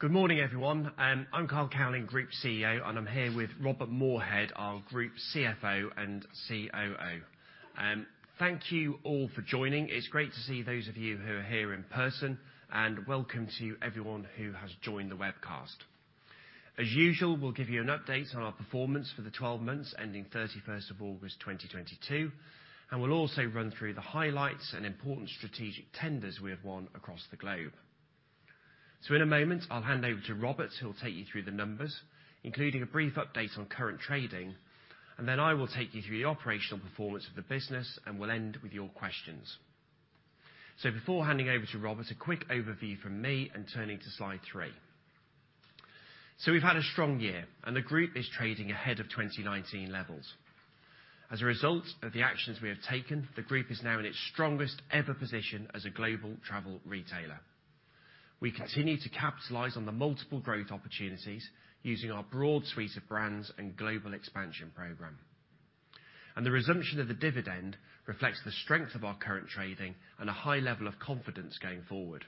Good morning, everyone. I'm Carl Cowling, Group CEO, and I'm here with Robert Moorhead, our Group CFO and COO. Thank you all for joining. It's great to see those of you who are here in person, and welcome to everyone who has joined the webcast. As usual, we'll give you an update on our performance for the 12 months ending 31st of August 2022, and we'll also run through the highlights and important strategic tenders we have won across the globe. In a moment, I'll hand over to Robert, who'll take you through the numbers, including a brief update on current trading, and then I will take you through the operational performance of the business and we'll end with your questions. Before handing over to Robert, a quick overview from me and turning to slide three. We've had a strong year, and the group is trading ahead of 2019 levels. As a result of the actions we have taken, the group is now in its strongest-ever position as a global travel retailer. We continue to capitalize on the multiple growth opportunities using our broad suite of brands and global expansion program. The resumption of the dividend reflects the strength of our current trading and a high level of confidence going forward.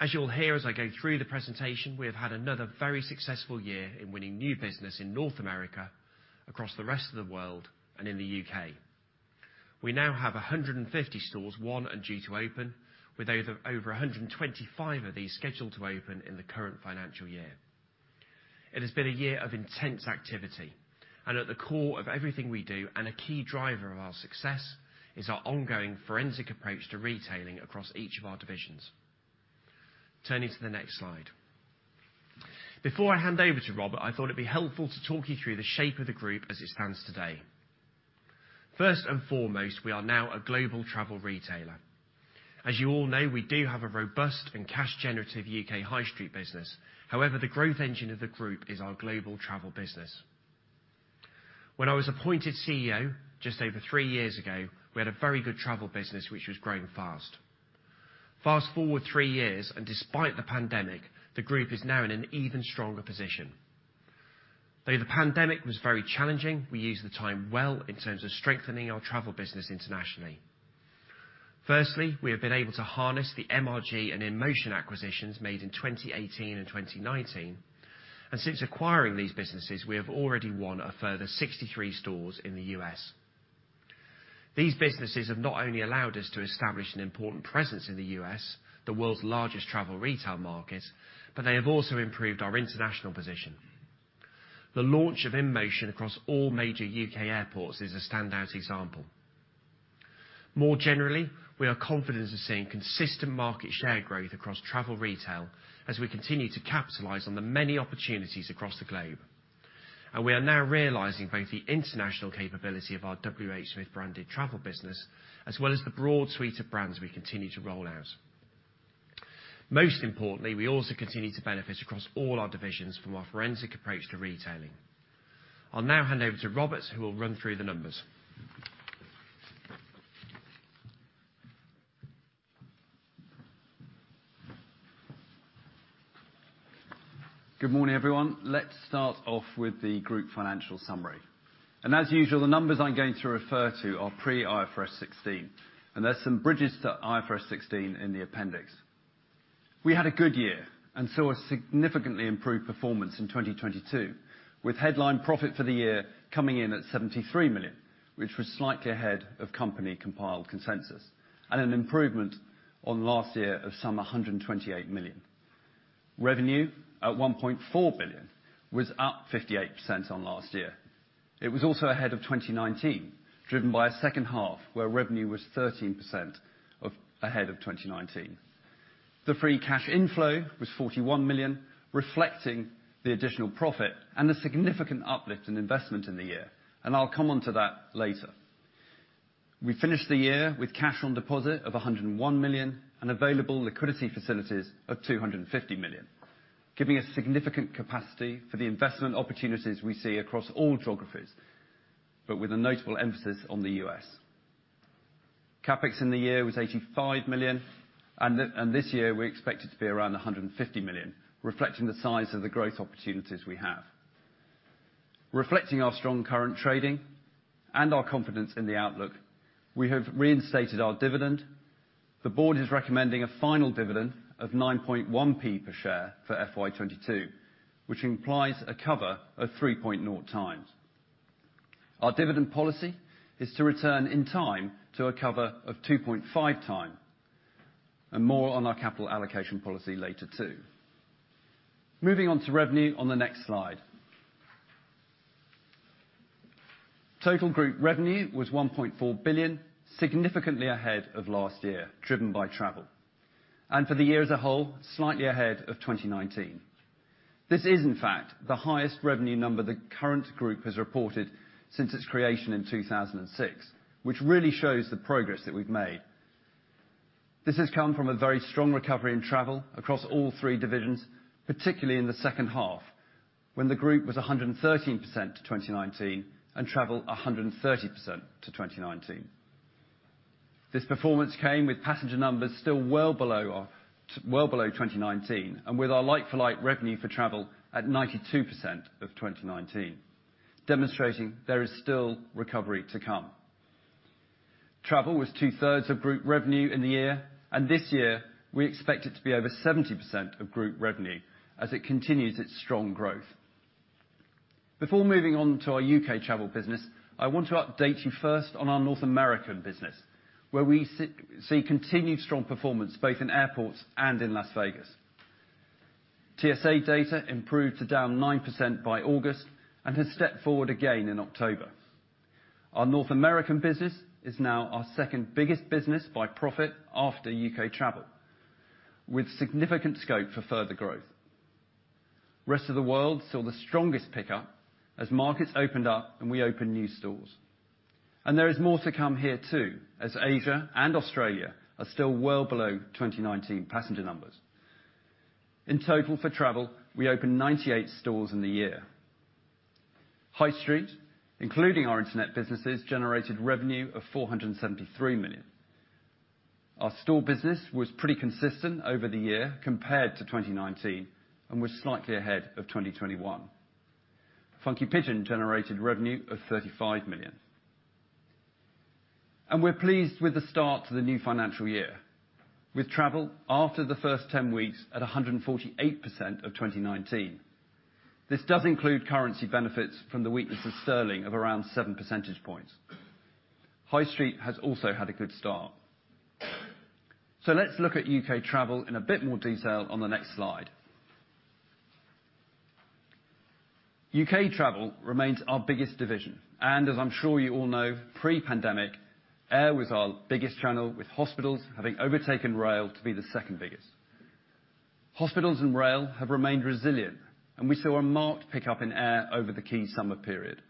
As you'll hear as I go through the presentation, we have had another very successful year in winning new business in North America, across the rest of the world, and in the U.K. We now have 150 stores, 100 due to open, with over 125 of these scheduled to open in the current financial year. It has been a year of intense activity, and at the core of everything we do and a key driver of our success is our ongoing forensic approach to retailing across each of our divisions. Turning to the next slide. Before I hand over to Robert, I thought it'd be helpful to talk you through the shape of the group as it stands today. First and foremost, we are now a global travel retailer. As you all know, we do have a robust and cash-generative U.K. High Street business. However, the growth engine of the group is our global travel business. When I was appointed CEO just over three years ago, we had a very good travel business which was growing fast. Fast-forward three years and despite the pandemic, the group is now in an even stronger position. Though the pandemic was very challenging, we used the time well in terms of strengthening our travel business internationally. Firstly, we have been able to harness the MRG and InMotion acquisitions made in 2018 and 2019, and since acquiring these businesses, we have already won a further 63 stores in the U.S. These businesses have not only allowed us to establish an important presence in the U.S., the world's largest travel retail market, but they have also improved our international position. The launch of InMotion across all major U.K. airports is a standout example. More generally, we are confident of seeing consistent market share growth across travel retail as we continue to capitalize on the many opportunities across the globe, and we are now realizing both the international capability of our WHSmith branded travel business, as well as the broad suite of brands we continue to roll out. Most importantly, we also continue to benefit across all our divisions from our forensic approach to retailing. I'll now hand over to Robert, who will run through the numbers. Good morning, everyone. Let's start off with the group financial summary. As usual, the numbers I'm going to refer to are pre IFRS 16, and there's some bridges to IFRS 16 in the appendix. We had a good year and saw a significantly improved performance in 2022, with headline profit for the year coming in at 73 million, which was slightly ahead of company-compiled consensus, and an improvement on last year of some 128 million. Revenue at 1.4 billion was up 58% on last year. It was also ahead of 2019, driven by a second half where revenue was 13% ahead of 2019. The free cash inflow was 41 million, reflecting the additional profit and the significant uplift in investment in the year, and I'll come onto that later. We finished the year with cash on deposit of 101 million and available liquidity facilities of 250 million, giving us significant capacity for the investment opportunities we see across all geographies, but with a notable emphasis on the US. CapEx in the year was 85 million, and this year we expect it to be around 150 million, reflecting the size of the growth opportunities we have. Reflecting our strong current trading and our confidence in the outlook, we have reinstated our dividend. The board is recommending a final dividend of 0.091 per share for FY 2022, which implies a cover of 3.0x. Our dividend policy is to return in time to a cover of 2.5x. More on our capital allocation policy later, too. Moving on to revenue on the next slide. Total group revenue was 1.4 billion, significantly ahead of last year, driven by travel, and for the year as a whole, slightly ahead of 2019. This is, in fact, the highest revenue number the current group has reported since its creation in 2006, which really shows the progress that we've made. This has come from a very strong recovery in travel across all three divisions, particularly in the second half, when the group was 113% to 2019, and travel 130% to 2019. This performance came with passenger numbers still well below 2019, and with our like for like revenue for travel at 92% of 2019, demonstrating there is still recovery to come. Travel was 2/3 of group revenue in the year, and this year we expect it to be over 70% of group revenue as it continues its strong growth. Before moving on to our U.K. travel business, I want to update you first on our North American business, where we see continued strong performance both in airports and in Las Vegas. TSA data improved to down 9% by August and has stepped forward again in October. Our North American business is now our second biggest business by profit after U.K. travel, with significant scope for further growth. Rest of the world saw the strongest pickup as markets opened up and we opened new stores. There is more to come here too, as Asia and Australia are still well below 2019 passenger numbers. In total for travel, we opened 98 stores in the year. High Street, including our internet businesses, generated revenue of 473 million. Our store business was pretty consistent over the year compared to 2019, and we're slightly ahead of 2021. Funky Pigeon generated revenue of 35 million. We're pleased with the start to the new financial year with travel after the first 10 weeks at 148% of 2019. This does include currency benefits from the weakness of sterling of around 7 percentage points. High Street has also had a good start. Let's look at U.K. travel in a bit more detail on the next slide. U.K. Travel remains our biggest division. As I'm sure you all know, pre-pandemic, air was our biggest channel, with hospitals having overtaken rail to be the second biggest. Hospitals and rail have remained resilient, and we saw a marked pickup in air over the key summer period.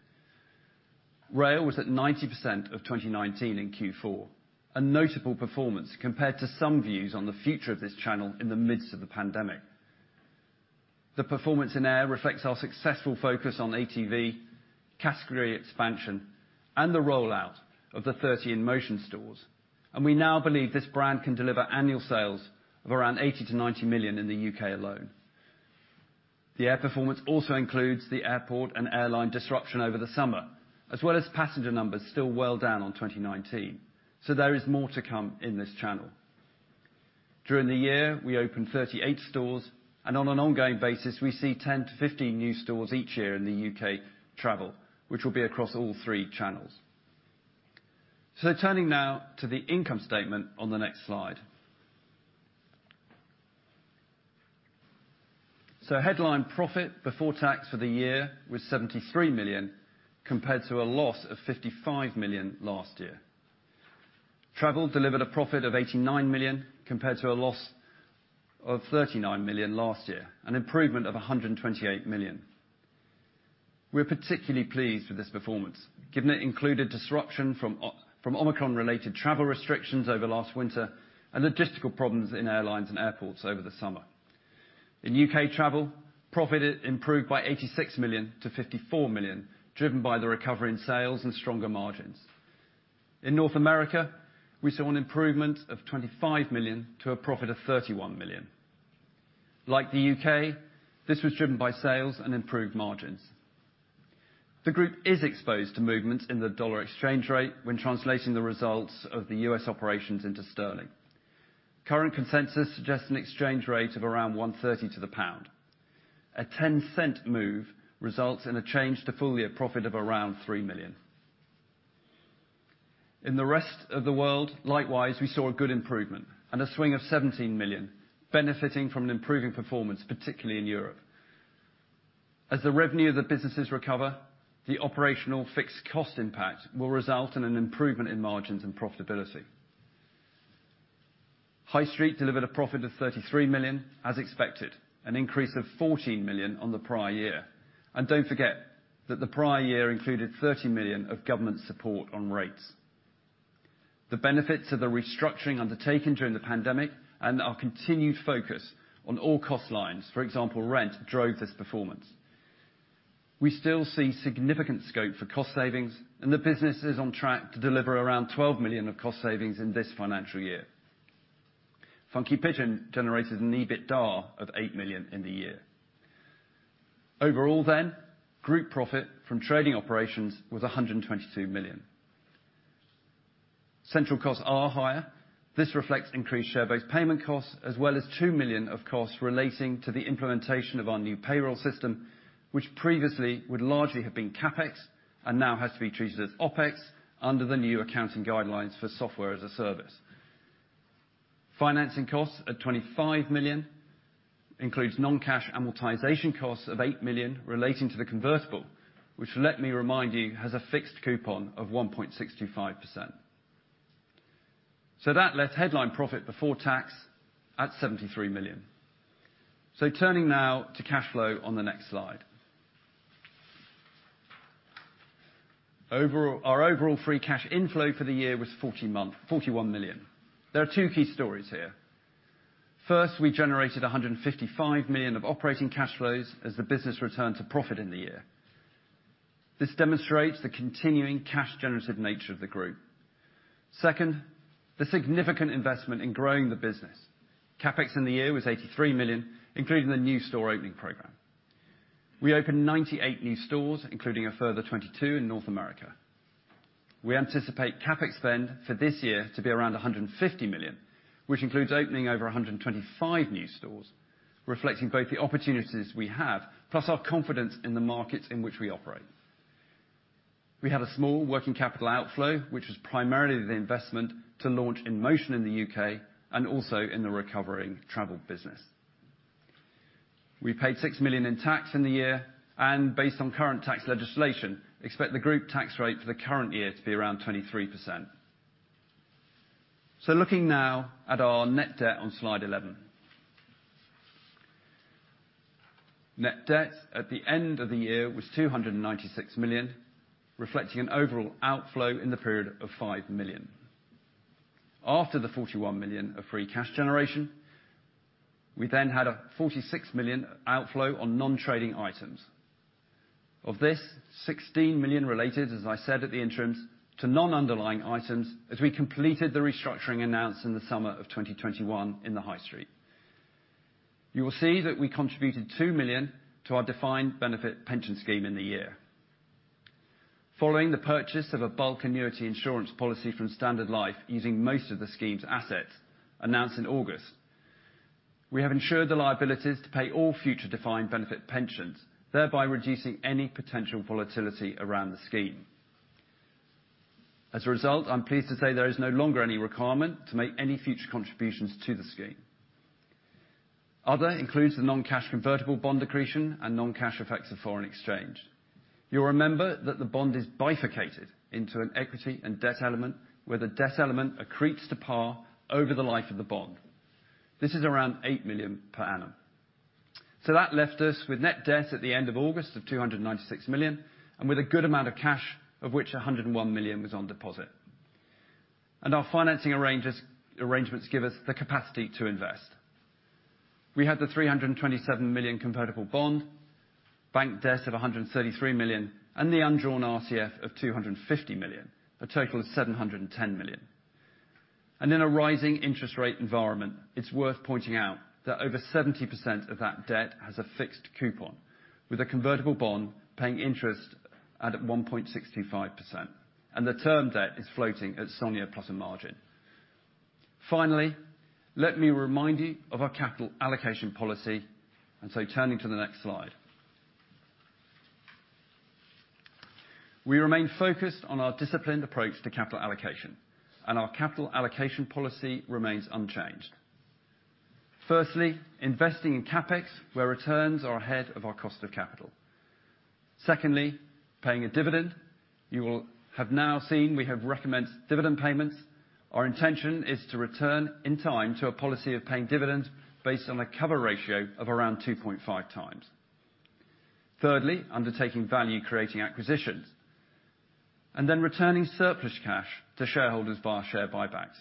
Rail was at 90% of 2019 in Q4, a notable performance compared to some views on the future of this channel in the midst of the pandemic. The performance in air reflects our successful focus on ATV, category expansion, and the rollout of the 30 InMotion stores. We now believe this brand can deliver annual sales of around 80 million-90 million in the U.K. alone. The air performance also includes the airport and airline disruption over the summer, as well as passenger numbers still well down on 2019. There is more to come in this channel. During the year, we opened 38 stores, and on an ongoing basis, we see 10-15 new stores each year in the U.K. travel, which will be across all three channels. Turning now to the income statement on the next slide. Headline profit before tax for the year was 73 million, compared to a loss of 55 million last year. Travel delivered a profit of 89 million, compared to a loss of 39 million last year, an improvement of 128 million. We're particularly pleased with this performance, given it included disruption from Omicron-related travel restrictions over last winter and logistical problems in airlines and airports over the summer. In U.K. travel, profit improved by 86 million to 54 million, driven by the recovery in sales and stronger margins. In North America, we saw an improvement of 25 million to a profit of 31 million. Like the U.K., this was driven by sales and improved margins. The group is exposed to movements in the dollar exchange rate when translating the results of the US operations into sterling. Current consensus suggests an exchange rate of around $1.30 to the pound. A 10-cent move results in a change to full year profit of around 3 million. In the rest of the world, likewise, we saw a good improvement and a swing of 17 million, benefiting from an improving performance, particularly in Europe. As the revenue of the businesses recover, the operational fixed cost impact will result in an improvement in margins and profitability. High Street delivered a profit of 33 million as expected, an increase of 14 million on the prior year. Don't forget that the prior year included 30 million of government support on rates. The benefits of the restructuring undertaken during the pandemic and our continued focus on all cost lines, for example, rent, drove this performance. We still see significant scope for cost savings, and the business is on track to deliver around 12 million of cost savings in this financial year. Funky Pigeon generated an EBITDA of 8 million in the year. Overall, group profit from trading operations was 122 million. Central costs are higher. This reflects increased share-based payment costs, as well as 2 million of costs relating to the implementation of our new payroll system, which previously would largely have been CapEx and now has to be treated as OpEx under the new accounting guidelines for software as a service. Financing costs at 25 million includes non-cash amortization costs of 8 million relating to the convertible, which let me remind you, has a fixed coupon of 1.625%. That left headline profit before tax at 73 million. Turning now to cash flow on the next slide. Our overall free cash inflow for the year was 41 million. There are two key stories here. First, we generated 155 million of operating cash flows as the business returned to profit in the year. This demonstrates the continuing cash generative nature of the group. Second, the significant investment in growing the business. CapEx in the year was 83 million, including the new store opening program. We opened 98 new stores, including a further 22 in North America. We anticipate CapEx spend for this year to be around 150 million, which includes opening over 125 new stores, reflecting both the opportunities we have, plus our confidence in the markets in which we operate. We have a small working capital outflow, which is primarily the investment to launch InMotion in the U.K., and also in the recovering travel business. We paid 6 million in tax in the year, and based on current tax legislation, expect the group tax rate for the current year to be around 23%. Looking now at our net debt on slide 11. Net debt at the end of the year was 296 million, reflecting an overall outflow in the period of 5 million. After the 41 million of free cash generation, we then had a 46 million outflow on non-trading items. Of this, 16 million related, as I said at the interims, to non-underlying items as we completed the restructuring announced in the summer of 2021 in the High Street. You will see that we contributed 2 million to our defined benefit pension scheme in the year. Following the purchase of a bulk annuity insurance policy from Standard Life using most of the scheme's assets announced in August, we have insured the liabilities to pay all future defined benefit pensions, thereby reducing any potential volatility around the scheme. As a result, I'm pleased to say there is no longer any requirement to make any future contributions to the scheme. Other includes the non-cash convertible bond accretion and non-cash effects of foreign exchange. You'll remember that the bond is bifurcated into an equity and debt element, where the debt element accretes to par over the life of the bond. This is around 8 million per annum. That left us with net debt at the end of August of 296 million, and with a good amount of cash, of which 101 million was on deposit. Our financing arrangements give us the capacity to invest. We had the 327 million convertible bond, bank debt of 133 million, and the undrawn RCF of 250 million, a total of 710 million. In a rising interest rate environment, it's worth pointing out that over 70% of that debt has a fixed coupon, with a convertible bond paying interest at 1.65%, and the term debt is floating at SONIA plus a margin. Finally, let me remind you of our capital allocation policy, and so turning to the next slide. We remain focused on our disciplined approach to capital allocation, and our capital allocation policy remains unchanged. Firstly, investing in CapEx, where returns are ahead of our cost of capital. Secondly, paying a dividend. You will have now seen we have recommended dividend payments. Our intention is to return in time to a policy of paying dividends based on a cover ratio of around 2.5x. Thirdly, undertaking value-creating acquisitions, and then returning surplus cash to shareholders via share buybacks.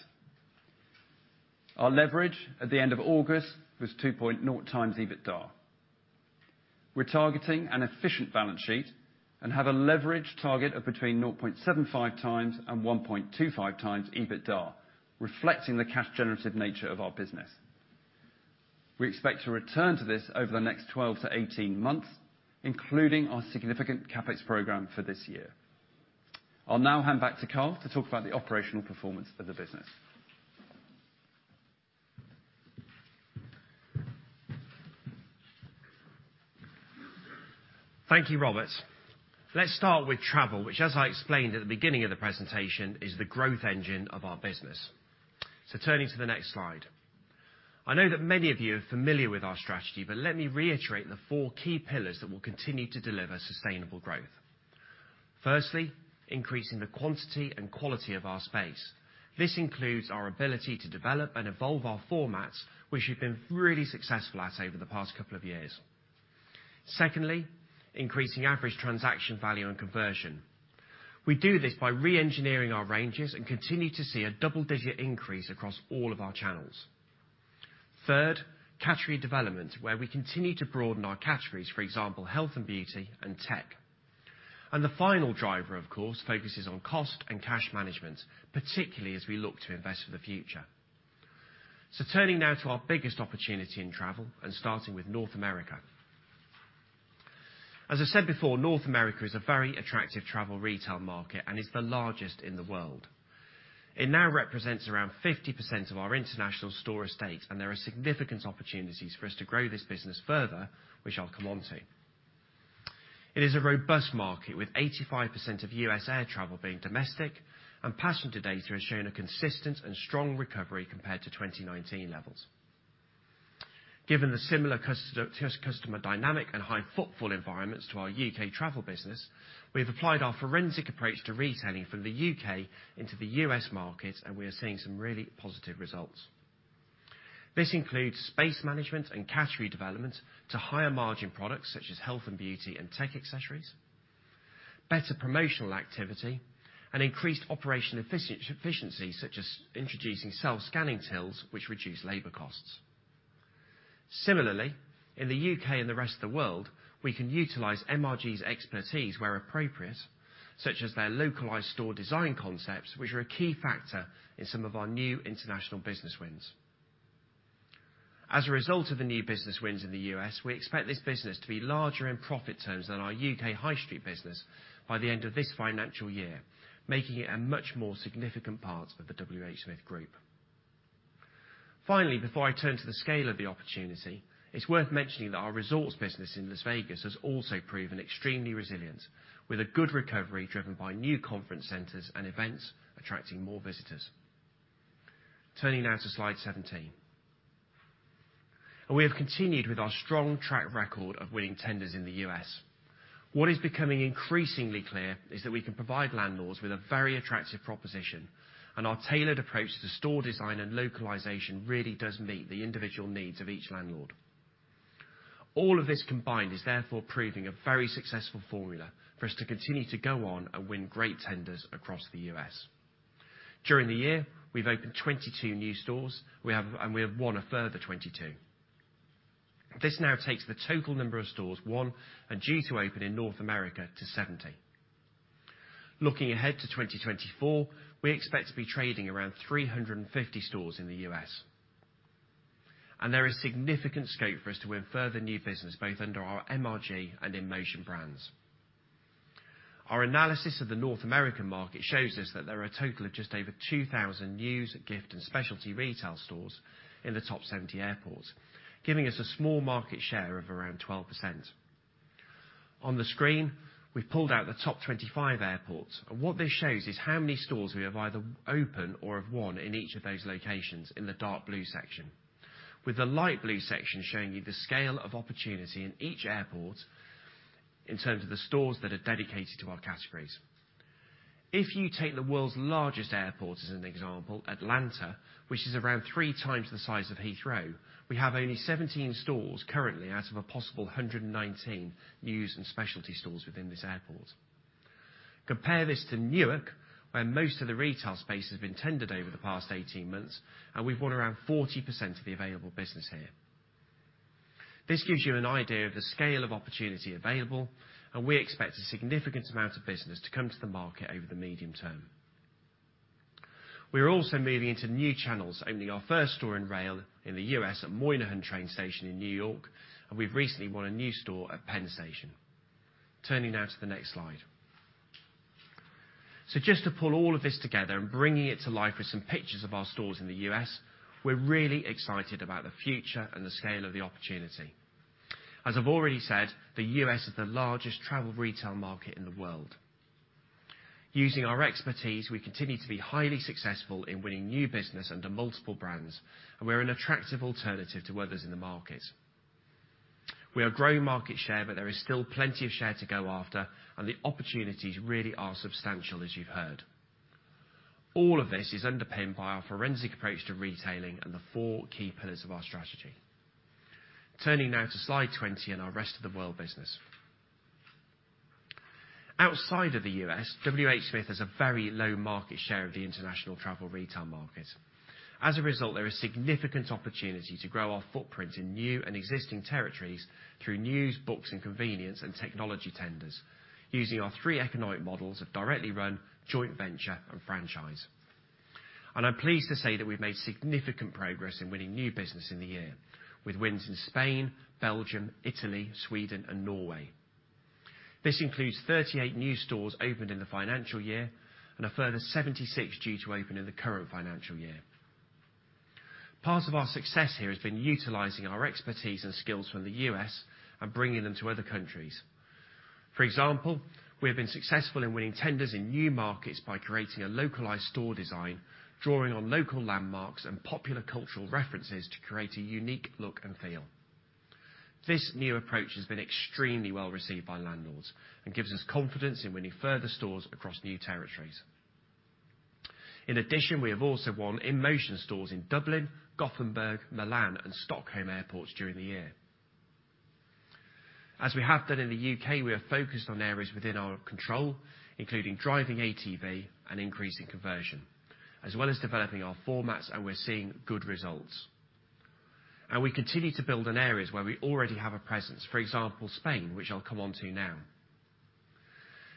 Our leverage at the end of August was 2.0x EBITDA. We're targeting an efficient balance sheet and have a leverage target of between 0.75x and 1.25x EBITDA, reflecting the cash generative nature of our business. We expect to return to this over the next 12-18 months, including our significant CapEx program for this year. I'll now hand back to Carl to talk about the operational performance of the business. Thank you, Robert. Let's start with travel, which, as I explained at the beginning of the presentation, is the growth engine of our business. Turning to the next slide. I know that many of you are familiar with our strategy, but let me reiterate the four key pillars that will continue to deliver sustainable growth. Firstly, increasing the quantity and quality of our space. This includes our ability to develop and evolve our formats, which we've been really successful at over the past couple of years. Secondly, increasing average transaction value and conversion. We do this by re-engineering our ranges and continue to see a double-digit increase across all of our channels. Third, category development, where we continue to broaden our categories, for example, health and beauty and tech. The final driver, of course, focuses on cost and cash management, particularly as we look to invest for the future. Turning now to our biggest opportunity in travel and starting with North America. As I said before, North America is a very attractive travel retail market and is the largest in the world. It now represents around 50% of our international store estate, and there are significant opportunities for us to grow this business further, which I'll come onto. It is a robust market, with 85% of U.S. air travel being domestic, and passenger data has shown a consistent and strong recovery compared to 2019 levels. Given the similar customer dynamic and high footfall environments to our U.K. travel business, we've applied our forensic approach to retailing from the U.K. into the U.S. market, and we are seeing some really positive results. This includes space management and category development to higher margin products such as health and beauty and tech accessories, better promotional activity, and increased operational efficiency, such as introducing self-scanning tills, which reduce labor costs. Similarly, in the U.K. and the rest of the world, we can utilize MRG's expertise where appropriate, such as their localized store design concepts, which are a key factor in some of our new international business wins. As a result of the new business wins in the U.S., we expect this business to be larger in profit terms than our U.K. High Street business by the end of this financial year, making it a much more significant part of the WH Smith Group. Finally, before I turn to the scale of the opportunity, it's worth mentioning that our resorts business in Las Vegas has also proven extremely resilient with a good recovery, driven by new conference centers and events attracting more visitors. Turning now to slide 17. We have continued with our strong track record of winning tenders in the U.S. What is becoming increasingly clear is that we can provide landlords with a very attractive proposition, and our tailored approach to store design and localization really does meet the individual needs of each landlord. All of this combined is therefore proving a very successful formula for us to continue to go on and win great tenders across the U.S. During the year, we've opened 22 new stores, and we have won a further 22. This now takes the total number of stores won and due to open in North America to 70. Looking ahead to 2024, we expect to be trading around 350 stores in the U.S. There is significant scope for us to win further new business, both under our MRG and InMotion brands. Our analysis of the North American market shows us that there are a total of just over 2,000 news, gift, and specialty retail stores in the top 70 airports, giving us a small market share of around 12%. On the screen, we pulled out the top 25 airports, and what this shows is how many stores we have either open or have won in each of those locations, in the dark blue section, with the light blue section showing you the scale of opportunity in each airport in terms of the stores that are dedicated to our categories. If you take the world's largest airport, as an example, Atlanta, which is around 3x the size of Heathrow, we have only 17 stores currently out of a possible 119 news and specialty stores within this airport. Compare this to Newark, where most of the retail space has been tendered over the past 18 months, and we've won around 40% of the available business here. This gives you an idea of the scale of opportunity available, and we expect a significant amount of business to come to the market over the medium term. We are also moving into new channels, opening our first store in rail in the U.S. at Moynihan train station in New York, and we've recently won a new store at Penn Station. Turning now to the next slide. Just to pull all of this together and bringing it to life with some pictures of our stores in the U.S., we're really excited about the future and the scale of the opportunity. As I've already said, the U.S. is the largest travel retail market in the world. Using our expertise, we continue to be highly successful in winning new business under multiple brands, and we're an attractive alternative to others in the market. We are growing market share, but there is still plenty of share to go after, and the opportunities really are substantial, as you've heard. All of this is underpinned by our forensic approach to retailing and the four key pillars of our strategy. Turning now to slide 20 and our rest of the world business. Outside of the U.S., WH Smith has a very low market share of the international travel retail market. As a result, there is significant opportunity to grow our footprint in new and existing territories through news, books, and convenience and technology tenders using our three economic models of directly run, joint venture, and franchise. I'm pleased to say that we've made significant progress in winning new business in the year, with wins in Spain, Belgium, Italy, Sweden, and Norway. This includes 38 new stores opened in the financial year and a further 76 due to open in the current financial year. Part of our success here has been utilizing our expertise and skills from the U.S. and bringing them to other countries. For example, we have been successful in winning tenders in new markets by creating a localized store design, drawing on local landmarks and popular cultural references to create a unique look and feel. This new approach has been extremely well received by landlords and gives us confidence in winning further stores across new territories. In addition, we have also won InMotion stores in Dublin, Gothenburg, Milan, and Stockholm airports during the year. As we have done in the U.K., we are focused on areas within our control, including driving ATV and increasing conversion, as well as developing our formats, and we're seeing good results. We continue to build in areas where we already have a presence. For example, Spain, which I'll come onto now.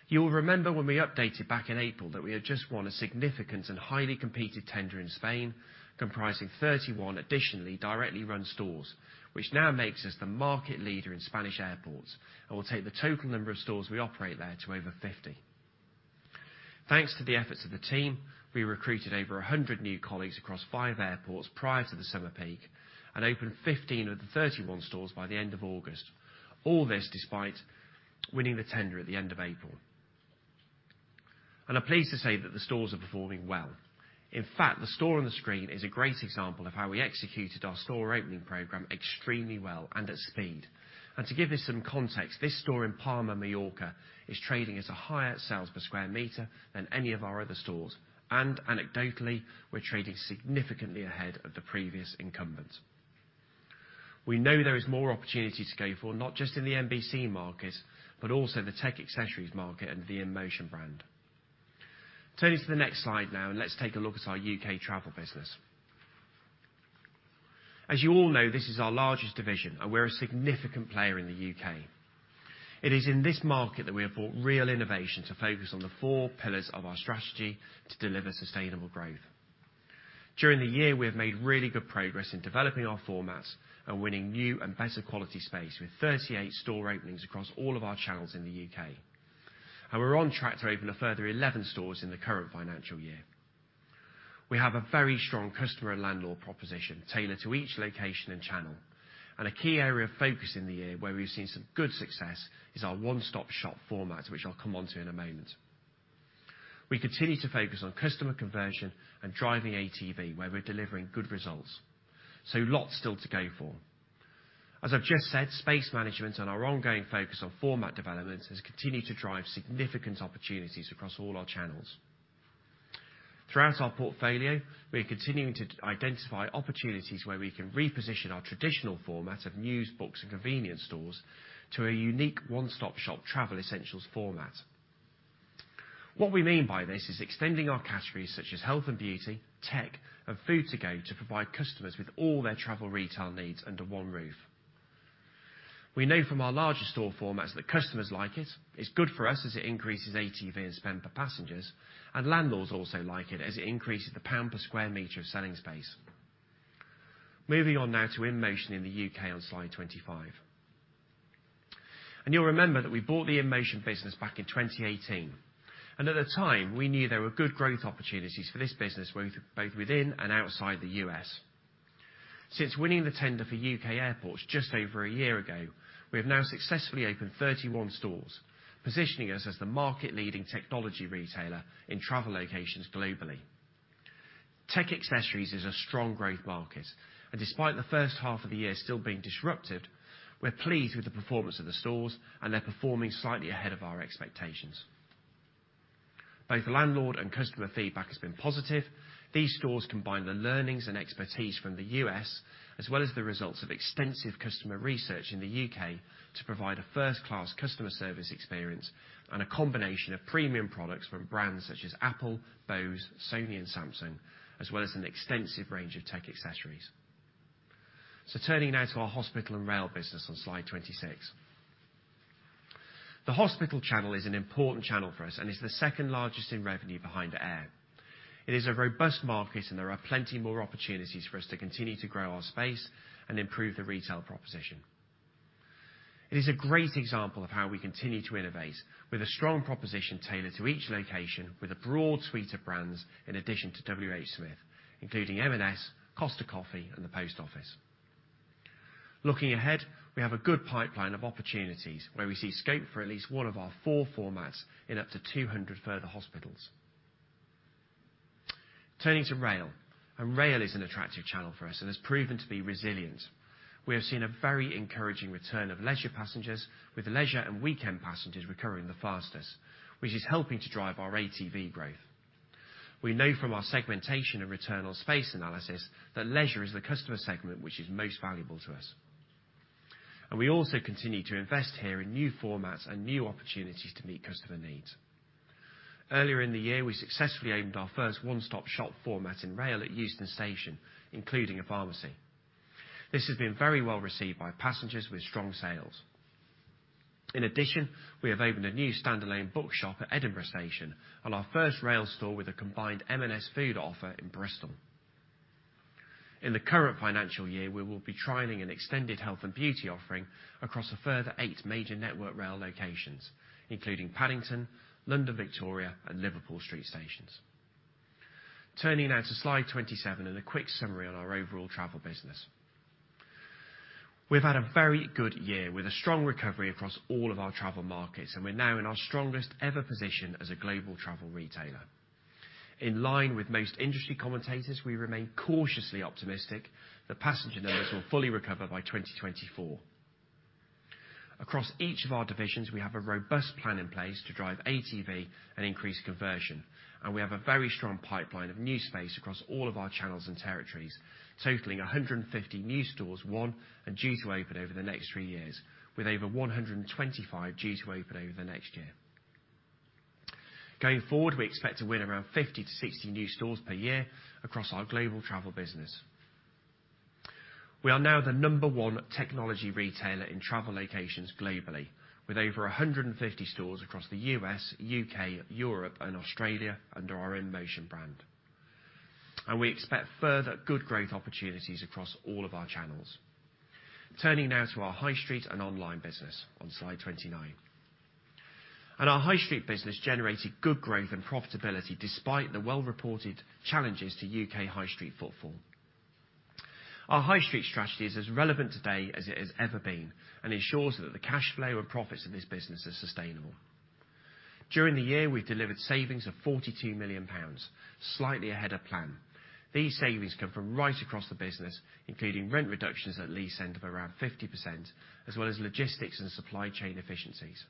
You will remember when we updated back in April that we had just won a significant and highly competed tender in Spain, comprising 31 additionally directly run stores, which now makes us the market leader in Spanish airports and will take the total number of stores we operate there to over 50. Thanks to the efforts of the team, we recruited over 100 new colleagues across five airports prior to the summer peak and opened 15 of the 31 stores by the end of August. All this despite winning the tender at the end of April. I'm pleased to say that the stores are performing well. In fact, the store on the screen is a great example of how we executed our store opening program extremely well and at speed. To give this some context, this store in Palma, Mallorca is trading at a higher sales per square meter than any of our other stores, and anecdotally, we're trading significantly ahead of the previous incumbents. We know there is more opportunity to go for, not just in the MBC market, but also the tech accessories market and the InMotion brand. Turning to the next slide now, and let's take a look at our U.K. travel business. As you all know, this is our largest division, and we're a significant player in the U.K. It is in this market that we have brought real innovation to focus on the four pillars of our strategy to deliver sustainable growth. During the year, we have made really good progress in developing our formats and winning new and better quality space with 38 store openings across all of our channels in the U.K. We're on track to open a further 11 stores in the current financial year. We have a very strong customer and landlord proposition tailored to each location and channel, and a key area of focus in the year where we've seen some good success is our one-stop shop format, which I'll come onto in a moment. We continue to focus on customer conversion and driving ATV where we're delivering good results, so lots still to go for. As I've just said, space management and our ongoing focus on format development has continued to drive significant opportunities across all our channels. Throughout our portfolio, we are continuing to identify opportunities where we can reposition our traditional format of news, books, and convenience stores to a unique one-stop shop travel essentials format. What we mean by this is extending our categories such as health and beauty, tech, and food to go to provide customers with all their travel retail needs under one roof. We know from our larger store formats that customers like it. It's good for us as it increases ATV and spend per passengers, and landlords also like it as it increases the pound per square meter of selling space. Moving on now to InMotion in the U.K. on slide 25. You'll remember that we bought the InMotion business back in 2018. At the time, we knew there were good growth opportunities for this business both within and outside the U.S. Since winning the tender for U.K. airports just over a year ago, we have now successfully opened 31 stores, positioning us as the market-leading technology retailer in travel locations globally. Tech accessories is a strong growth market, and despite the first half of the year still being disrupted, we're pleased with the performance of the stores, and they're performing slightly ahead of our expectations. Both landlord and customer feedback has been positive. These stores combine the learnings and expertise from the U.S. as well as the results of extensive customer research in the U.K. to provide a first-class customer service experience and a combination of premium products from brands such as Apple, Bose, Sony, and Samsung, as well as an extensive range of tech accessories. Turning now to our hospital and rail business on slide 26. The hospital channel is an important channel for us and is the second largest in revenue behind air. It is a robust market, and there are plenty more opportunities for us to continue to grow our space and improve the retail proposition. It is a great example of how we continue to innovate with a strong proposition tailored to each location with a broad suite of brands in addition to WH Smith, including M&S, Costa Coffee, and the Post Office. Looking ahead, we have a good pipeline of opportunities where we see scope for at least one of our four formats in up to 200 further hospitals. Turning to rail is an attractive channel for us and has proven to be resilient. We have seen a very encouraging return of leisure passengers with leisure and weekend passengers recovering the fastest, which is helping to drive our ATV growth. We know from our segmentation and return on space analysis that leisure is the customer segment which is most valuable to us. We also continue to invest here in new formats and new opportunities to meet customer needs. Earlier in the year, we successfully opened our first one-stop-shop format in rail at Euston Station, including a pharmacy. This has been very well received by passengers with strong sales. In addition, we have opened a new standalone bookshop at Edinburgh Station and our first rail store with a combined M&S food offer in Bristol. In the current financial year, we will be trialing an extended health and beauty offering across a further eight major Network Rail locations, including Paddington, London Victoria, and Liverpool Street stations. Turning now to slide 27 and a quick summary on our overall travel business. We've had a very good year with a strong recovery across all of our travel markets, and we're now in our strongest ever position as a global travel retailer. In line with most industry commentators, we remain cautiously optimistic that passenger numbers will fully recover by 2024. Across each of our divisions, we have a robust plan in place to drive ATV and increase conversion, and we have a very strong pipeline of new space across all of our channels and territories, totaling 150 new stores won and due to open over the next three years, with over 125 due to open over the next year. Going forward, we expect to win around 50-60 new stores per year across our global travel business. We are now the number one technology retailer in travel locations globally, with over 150 stores across the U.S., U.K., Europe, and Australia under our InMotion brand. We expect further good growth opportunities across all of our channels. Turning now to our high street and online business on slide 29. Our high street business generated good growth and profitability despite the well-reported challenges to U.K. high street footfall. Our high street strategy is as relevant today as it has ever been and ensures that the cash flow and profits of this business are sustainable. During the year, we've delivered savings of 42 million pounds, slightly ahead of plan. These savings come from right across the business, including rent reductions at lease end of around 50%, as well as logistics and supply chain efficiencies.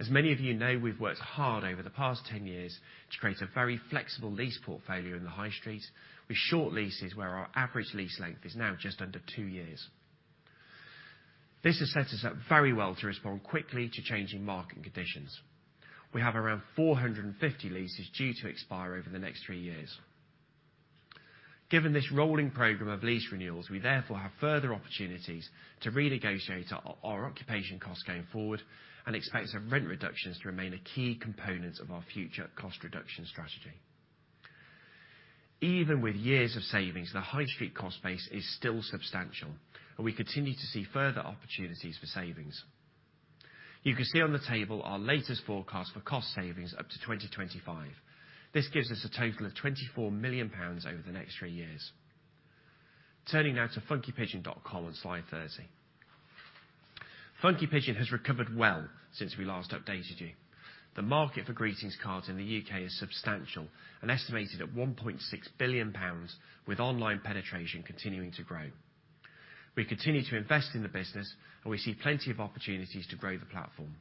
As many of you know, we've worked hard over the past 10 years to create a very flexible lease portfolio in the high street with short leases where our average lease length is now just under two years. This has set us up very well to respond quickly to changing market conditions. We have around 450 leases due to expire over the next three years. Given this rolling program of lease renewals, we therefore have further opportunities to renegotiate our occupation costs going forward and expect some rent reductions to remain a key component of our future cost reduction strategy. Even with years of savings, the High Street cost base is still substantial, and we continue to see further opportunities for savings. You can see on the table our latest forecast for cost savings up to 2025. This gives us a total of 24 million pounds over the next three years. Turning now to Funky Pigeon dot com on slide 30. Funky Pigeon has recovered well since we last updated you. The market for greetings cards in the U.K. is substantial and estimated at 1.6 billion pounds with online penetration continuing to grow. We continue to invest in the business, and we see plenty of opportunities to grow the platform.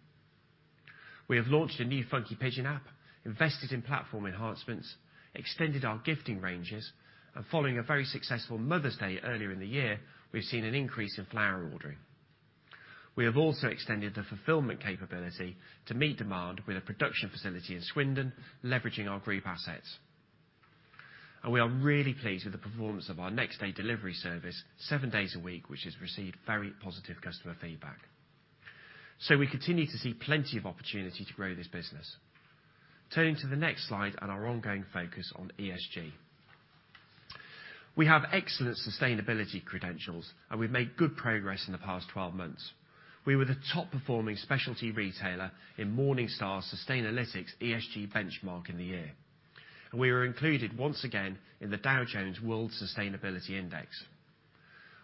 We have launched a new Funky Pigeon app, invested in platform enhancements, extended our gifting ranges, and following a very successful Mother's Day earlier in the year, we've seen an increase in flower ordering. We have also extended the fulfillment capability to meet demand with a production facility in Swindon, leveraging our group assets. We are really pleased with the performance of our next day delivery service, seven days a week, which has received very positive customer feedback. We continue to see plenty of opportunity to grow this business. Turning to the next slide and our ongoing focus on ESG. We have excellent sustainability credentials, and we've made good progress in the past 12 months. We were the top performing specialty retailer in Morningstar's Sustainalytics ESG Benchmark in the year. We were included once again in the Dow Jones Sustainability World Index.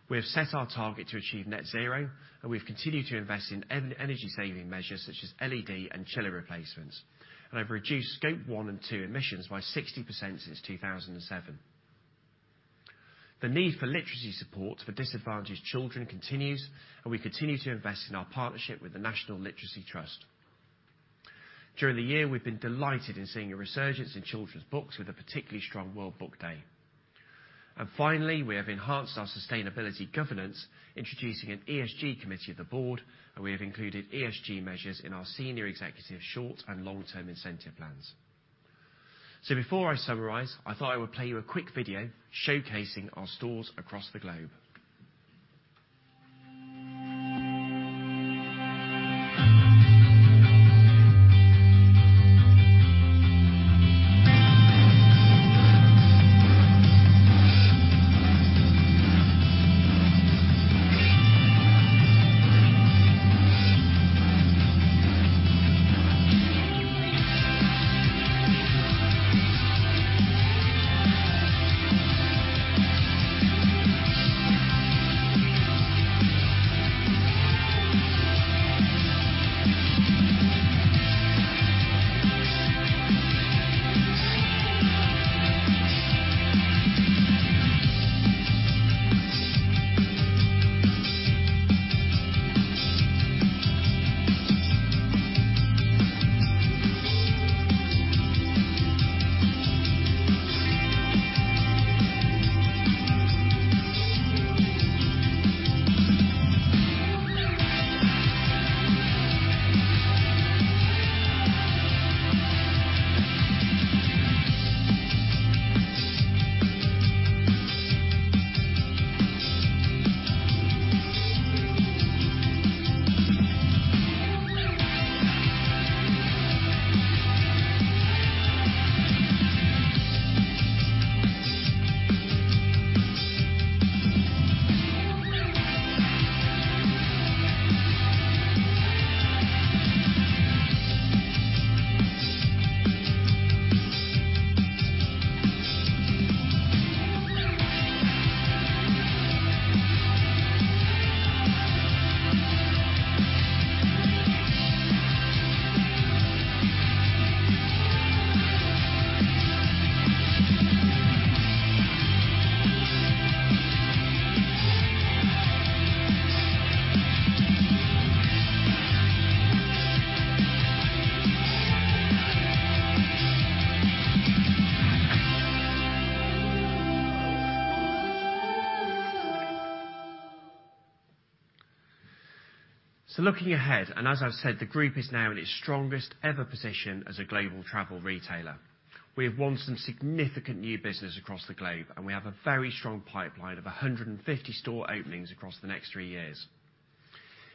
We have set our target to achieve net zero, and we've continued to invest in energy saving measures such as LED and chiller replacements and have reduced scope one and two emissions by 60% since 2007. The need for literacy support for disadvantaged children continues, and we continue to invest in our partnership with the National Literacy Trust. During the year, we've been delighted in seeing a resurgence in children's books with a particularly strong World Book Day. Finally, we have enhanced our sustainability governance, introducing an ESG committee of the board, and we have included ESG measures in our senior executive short and long-term incentive plans. Before I summarize, I thought I would play you a quick video showcasing our stores across the globe. Looking ahead, and as I've said, the group is now in its strongest ever position as a global travel retailer. We have won some significant new business across the globe, and we have a very strong pipeline of 150 store openings across the next three years.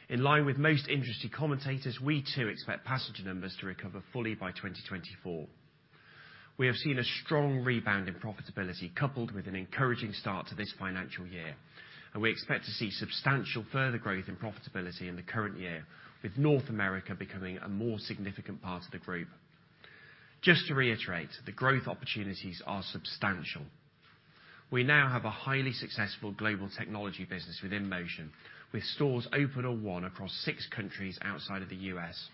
In line with most industry commentators, we too expect passenger numbers to recover fully by 2024. We have seen a strong rebound in profitability, coupled with an encouraging start to this financial year, and we expect to see substantial further growth in profitability in the current year, with North America becoming a more significant part of the group. Just to reiterate, the growth opportunities are substantial. We now have a highly successful global technology business within InMotion, with stores open or opening across 6 countries outside of the U.S.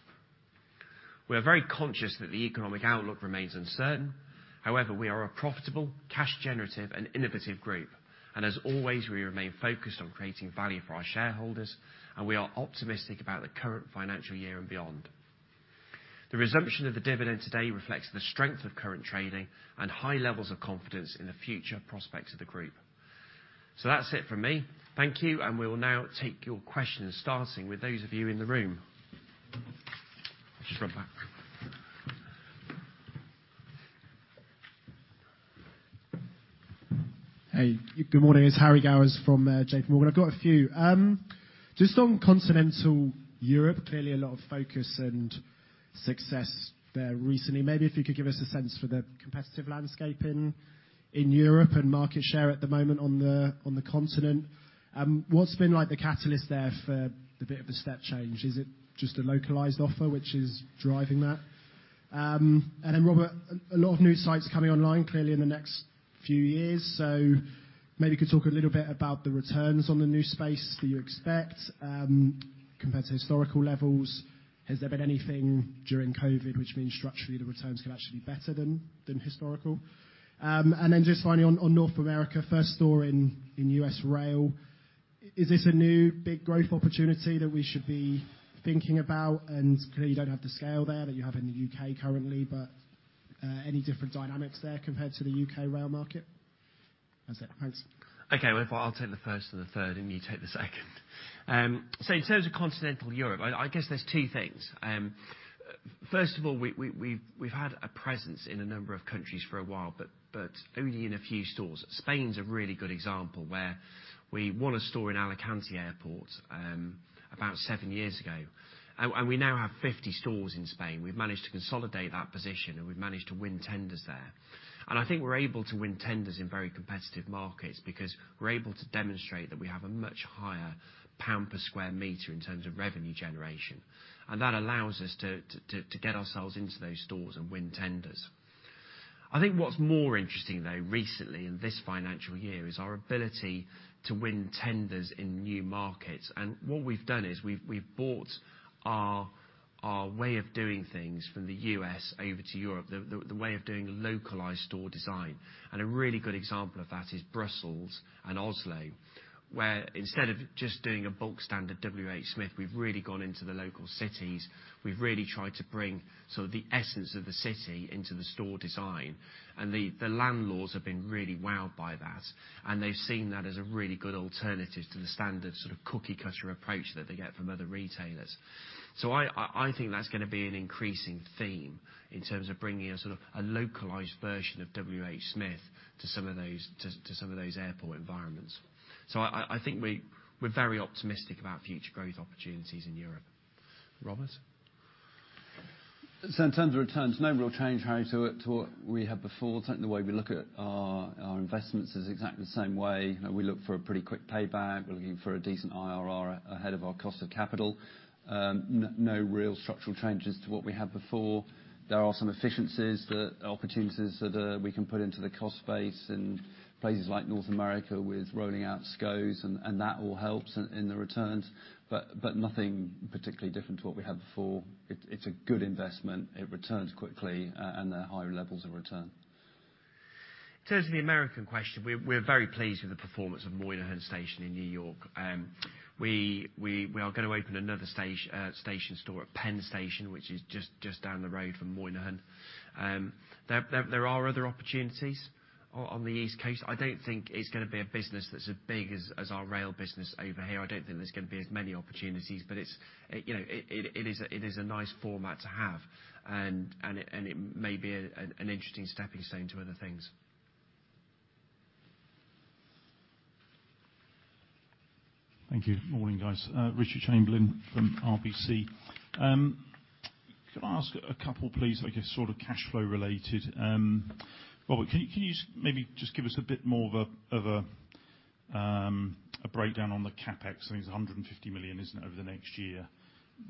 We are very conscious that the economic outlook remains uncertain. However, we are a profitable, cash generative and innovative group, and as always, we remain focused on creating value for our shareholders, and we are optimistic about the current financial year and beyond. The resumption of the dividend today reflects the strength of current trading and high levels of confidence in the future prospects of the group. That's it for me. Thank you, and we will now take your questions, starting with those of you in the room. Just round back. Hey, good morning. It's Harry Gowers from JPMorgan. I've got a few. Just on Continental Europe, clearly a lot of focus and success there recently. Maybe if you could give us a sense for the competitive landscape in Europe and market share at the moment on the continent. What's been, like, the catalyst there for the bit of a step change? Is it just a localized offer which is driving that? And then Robert, a lot of new sites coming online, clearly in the next few years. Maybe you could talk a little bit about the returns on the new space that you expect, compared to historical levels. Has there been anything during COVID which means structurally, the returns could actually be better than historical? And then just finally on North America, first store in U.S. rail, is this a new big growth opportunity that we should be thinking about? Clearly you don't have the scale there that you have in the U.K. currently, but any different dynamics there compared to the U.K. rail market? That's it. Thanks. Okay, well, I'll take the first and the third, and you take the second. So in terms of continental Europe, I guess there's two things. First of all, we've had a presence in a number of countries for a while, but only in a few stores. Spain's a really good example, where we won a store in Alicante Airport, about seven years ago. We now have 50 stores in Spain. We've managed to consolidate that position, and we've managed to win tenders there. I think we're able to win tenders in very competitive markets, because we're able to demonstrate that we have a much higher pound per square meter in terms of revenue generation, and that allows us to get ourselves into those stores and win tenders. I think what's more interesting though recently in this financial year is our ability to win tenders in new markets. What we've done is we've brought our way of doing things from the U.S. over to Europe, the way of doing localized store design. A really good example of that is Brussels and Oslo, where instead of just doing a basic standard WHSmith, we've really gone into the local cities. We've really tried to bring sort of the essence of the city into the store design, and the landlords have been really wowed by that. They've seen that as a really good alternative to the standard sort of cookie-cutter approach that they get from other retailers. I think that's gonna be an increasing theme in terms of bringing a sort of a localized version of WHSmith to some of those airport environments. I think we're very optimistic about future growth opportunities in Europe. Robert? In terms of returns, no real change, Harry, to what we had before. I think the way we look at our investments is exactly the same way. You know, we look for a pretty quick payback. We're looking for a decent IRR ahead of our cost of capital. No real structural changes to what we had before. There are some efficiencies, opportunities that we can put into the cost base in places like North America with rolling out SCOs, and that all helps in the returns, but nothing particularly different to what we had before. It's a good investment. It returns quickly, and there are higher levels of return. In terms of the American question, we're very pleased with the performance of Moynihan Station in New York. We are gonna open another station store at Penn Station, which is just down the road from Moynihan. There are other opportunities on the East Coast. I don't think it's gonna be a business that's as big as our rail business over here. I don't think there's gonna be as many opportunities, but it's, you know, it is a nice format to have, and it may be an interesting stepping stone to other things. Thank you. Morning, guys. Richard Chamberlain from RBC. Can I ask a couple, please, I guess, sort of cash flow related? Robert, can you maybe just give us a bit more of a breakdown on the CapEx? I think it's 150 million, isn't it, over the next year.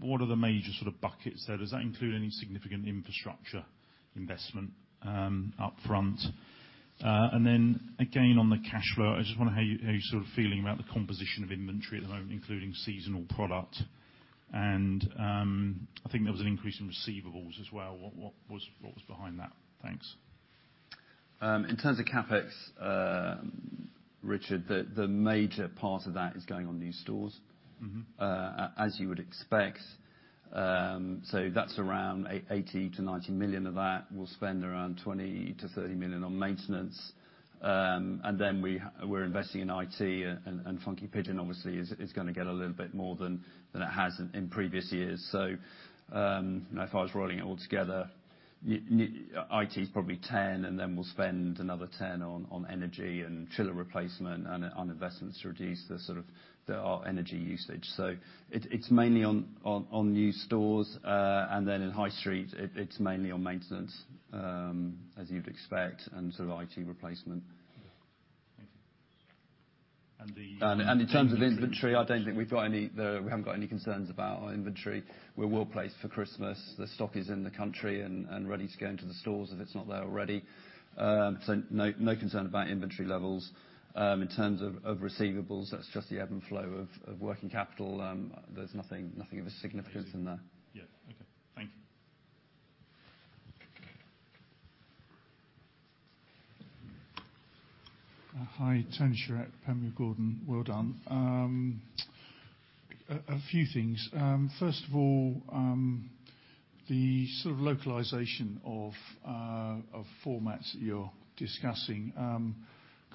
What are the major sort of buckets there? Does that include any significant infrastructure investment up front? And then again, on the cash flow, I just wonder how you're sort of feeling about the composition of inventory at the moment, including seasonal product, and I think there was an increase in receivables as well. What was behind that? Thanks. In terms of CapEx, Richard, the major part of that is going on new stores. Mm-hmm. As you would expect. That's around 80-90 million of that. We'll spend around 20-30 million on maintenance. We're investing in IT and Funky Pigeon obviously is gonna get a little bit more than it has in previous years. You know, if I was rolling it all together, is probably 10 million, and then we'll spend another 10 million on energy and chiller replacement, and on investments to reduce the sort of our energy usage. It's mainly on new stores. In High Street, it's mainly on maintenance, as you'd expect, and sort of IT replacement. Thank you. In terms of inventory, I don't think we've got any, we haven't got any concerns about our inventory. We're well-placed for Christmas. The stock is in the country and ready to go into the stores if it's not there already. So no concern about inventory levels. In terms of receivables, that's just the ebb and flow of working capital. There's nothing of a significance in there. Yeah. Okay. Thank you. Hi, Tony Shiret, Panmure Gordon. Well done. A few things. First of all, the sort of localization of formats that you're discussing.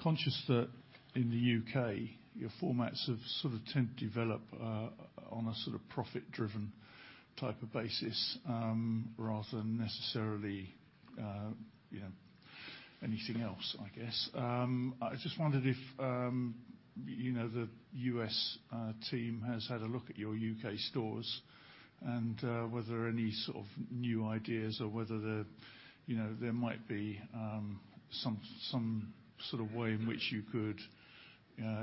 Conscious that in the U.K., your formats have sort of tend to develop on a sort of profit driven type of basis, rather than necessarily, you know, anything else, I guess. I just wondered if, you know, the U.S. team has had a look at your U.K. stores and were there any sort of new ideas or whether there, you know, there might be some sort of way in which you could,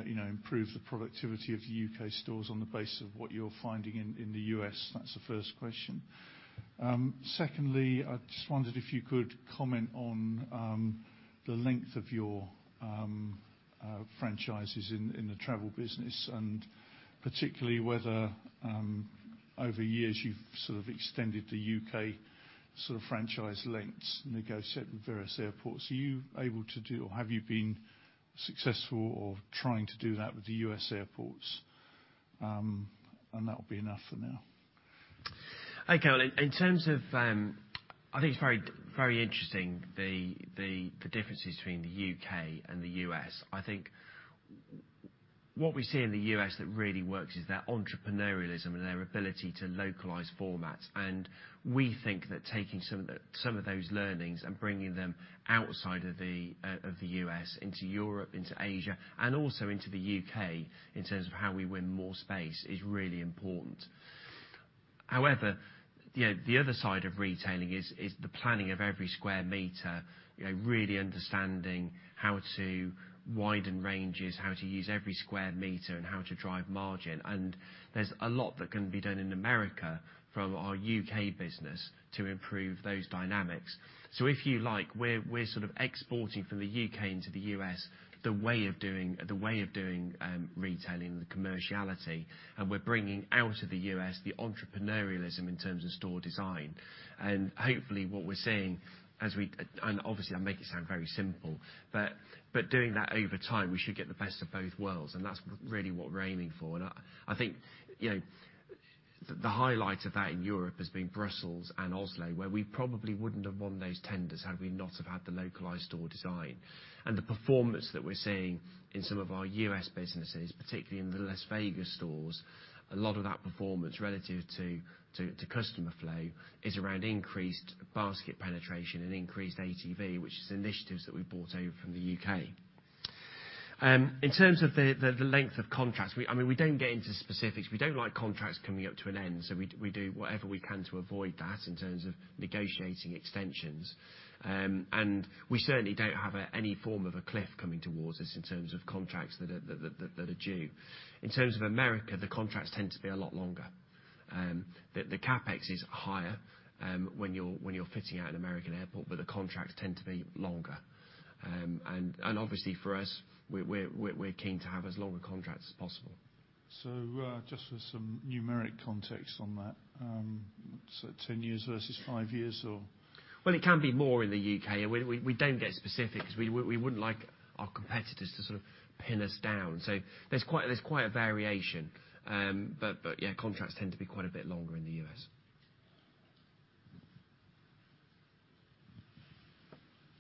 you know, improve the productivity of the U.K. stores on the basis of what you're finding in the U.S. That's the first question. Secondly, I just wondered if you could comment on the length of your franchises in the travel business, and particularly whether over years you've sort of extended the U.K. sort of franchise lengths, negotiated with various airports. Are you able to do, or have you been successful or trying to do that with the U.S. airports? That'll be enough for now. In terms of, I think it's very interesting the differences between the U.K. and the U.S. I think what we see in the U.S. that really works is their entrepreneurialism and their ability to localize formats. We think that taking some of those learnings and bringing them outside of the U.S. into Europe, into Asia, and also into the U.K. in terms of how we win more space is really important. However, you know, the other side of retailing is the planning of every square meter. You know, really understanding how to widen ranges, how to use every square meter, and how to drive margin. There's a lot that can be done in America from our U.K. business to improve those dynamics. If you like, we're sort of exporting from the U.K. into the U.S. the way of doing retailing, the commerciality, and we're bringing out of the U.S. the entrepreneurialism in terms of store design. Hopefully what we're seeing. Obviously, I make it sound very simple. Doing that over time, we should get the best of both worlds, and that's really what we're aiming for. I think, you know, the highlight of that in Europe has been Brussels and Oslo, where we probably wouldn't have won those tenders had we not have had the localized store design. The performance that we're seeing in some of our U.S. businesses, particularly in the Las Vegas stores, a lot of that performance relative to customer flow is around increased basket penetration and increased ATV, which is initiatives that we brought over from the U.K. In terms of the length of contracts, I mean, we don't get into specifics. We don't like contracts coming up to an end, so we do whatever we can to avoid that in terms of negotiating extensions. We certainly don't have any form of a cliff coming towards us in terms of contracts that are due. In terms of America, the contracts tend to be a lot longer. The CapEx is higher when you're fitting out an American airport, but the contracts tend to be longer. Obviously for us, we're keen to have as long a contract as possible. Just for some numeric context on that. 10 years versus 5 years, or. Well, it can be more in the U.K. We don't get specific 'cause we wouldn't like our competitors to sort of pin us down. There's quite a variation. Yeah, contracts tend to be quite a bit longer in the US.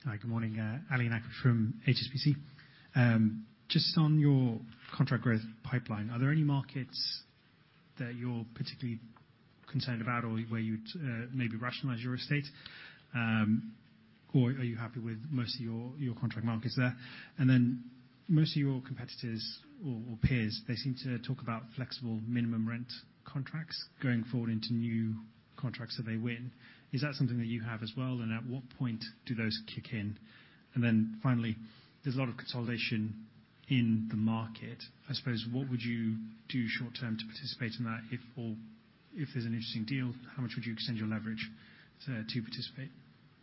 Hi, good morning. Anubhav Malhotra from HSBC. Just on your contract growth pipeline, are there any markets that you're particularly concerned about or where you'd maybe rationalize your estate? Or are you happy with most of your contract markets there? Most of your competitors or peers, they seem to talk about flexible minimum rent contracts going forward into new contracts that they win. Is that something that you have as well, and at what point do those kick in? Finally, there's a lot of consolidation in the market. I suppose, what would you do short term to participate in that or if there's an interesting deal, how much would you extend your leverage to participate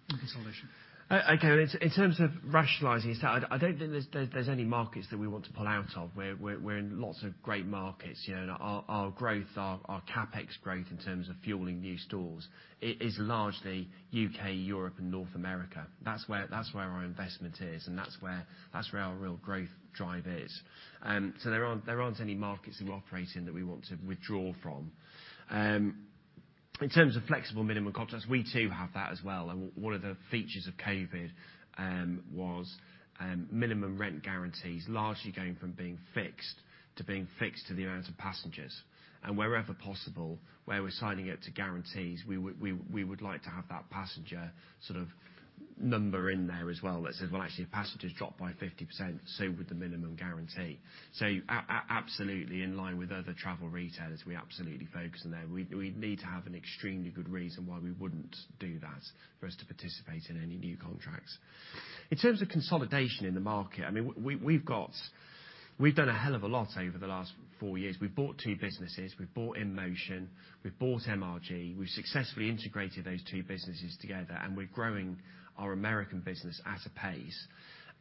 in consolidation? Okay. In terms of rationalizing staff, I don't think there's any markets that we want to pull out of. We're in lots of great markets. You know, our growth, our CapEx growth in terms of fueling new stores is largely U.K., Europe, and North America. That's where our investment is, and that's where our real growth drive is. So there aren't any markets that we operate in that we want to withdraw from. In terms of flexible minimum contracts, we too have that as well. One of the features of COVID was minimum rent guarantees largely going from being fixed to the amount of passengers. Wherever possible, where we're signing up to guarantees, we would like to have that passenger sort of number in there as well that says, "Well, actually the passengers dropped by 50%, so would the minimum guarantee." Absolutely in line with other travel retailers, we absolutely focus in there. We'd need to have an extremely good reason why we wouldn't do that for us to participate in any new contracts. In terms of consolidation in the market, I mean, we've done a hell of a lot over the last four years. We've bought two businesses. We've bought InMotion, we've bought MRG. We've successfully integrated those two businesses together, and we're growing our American business at a pace,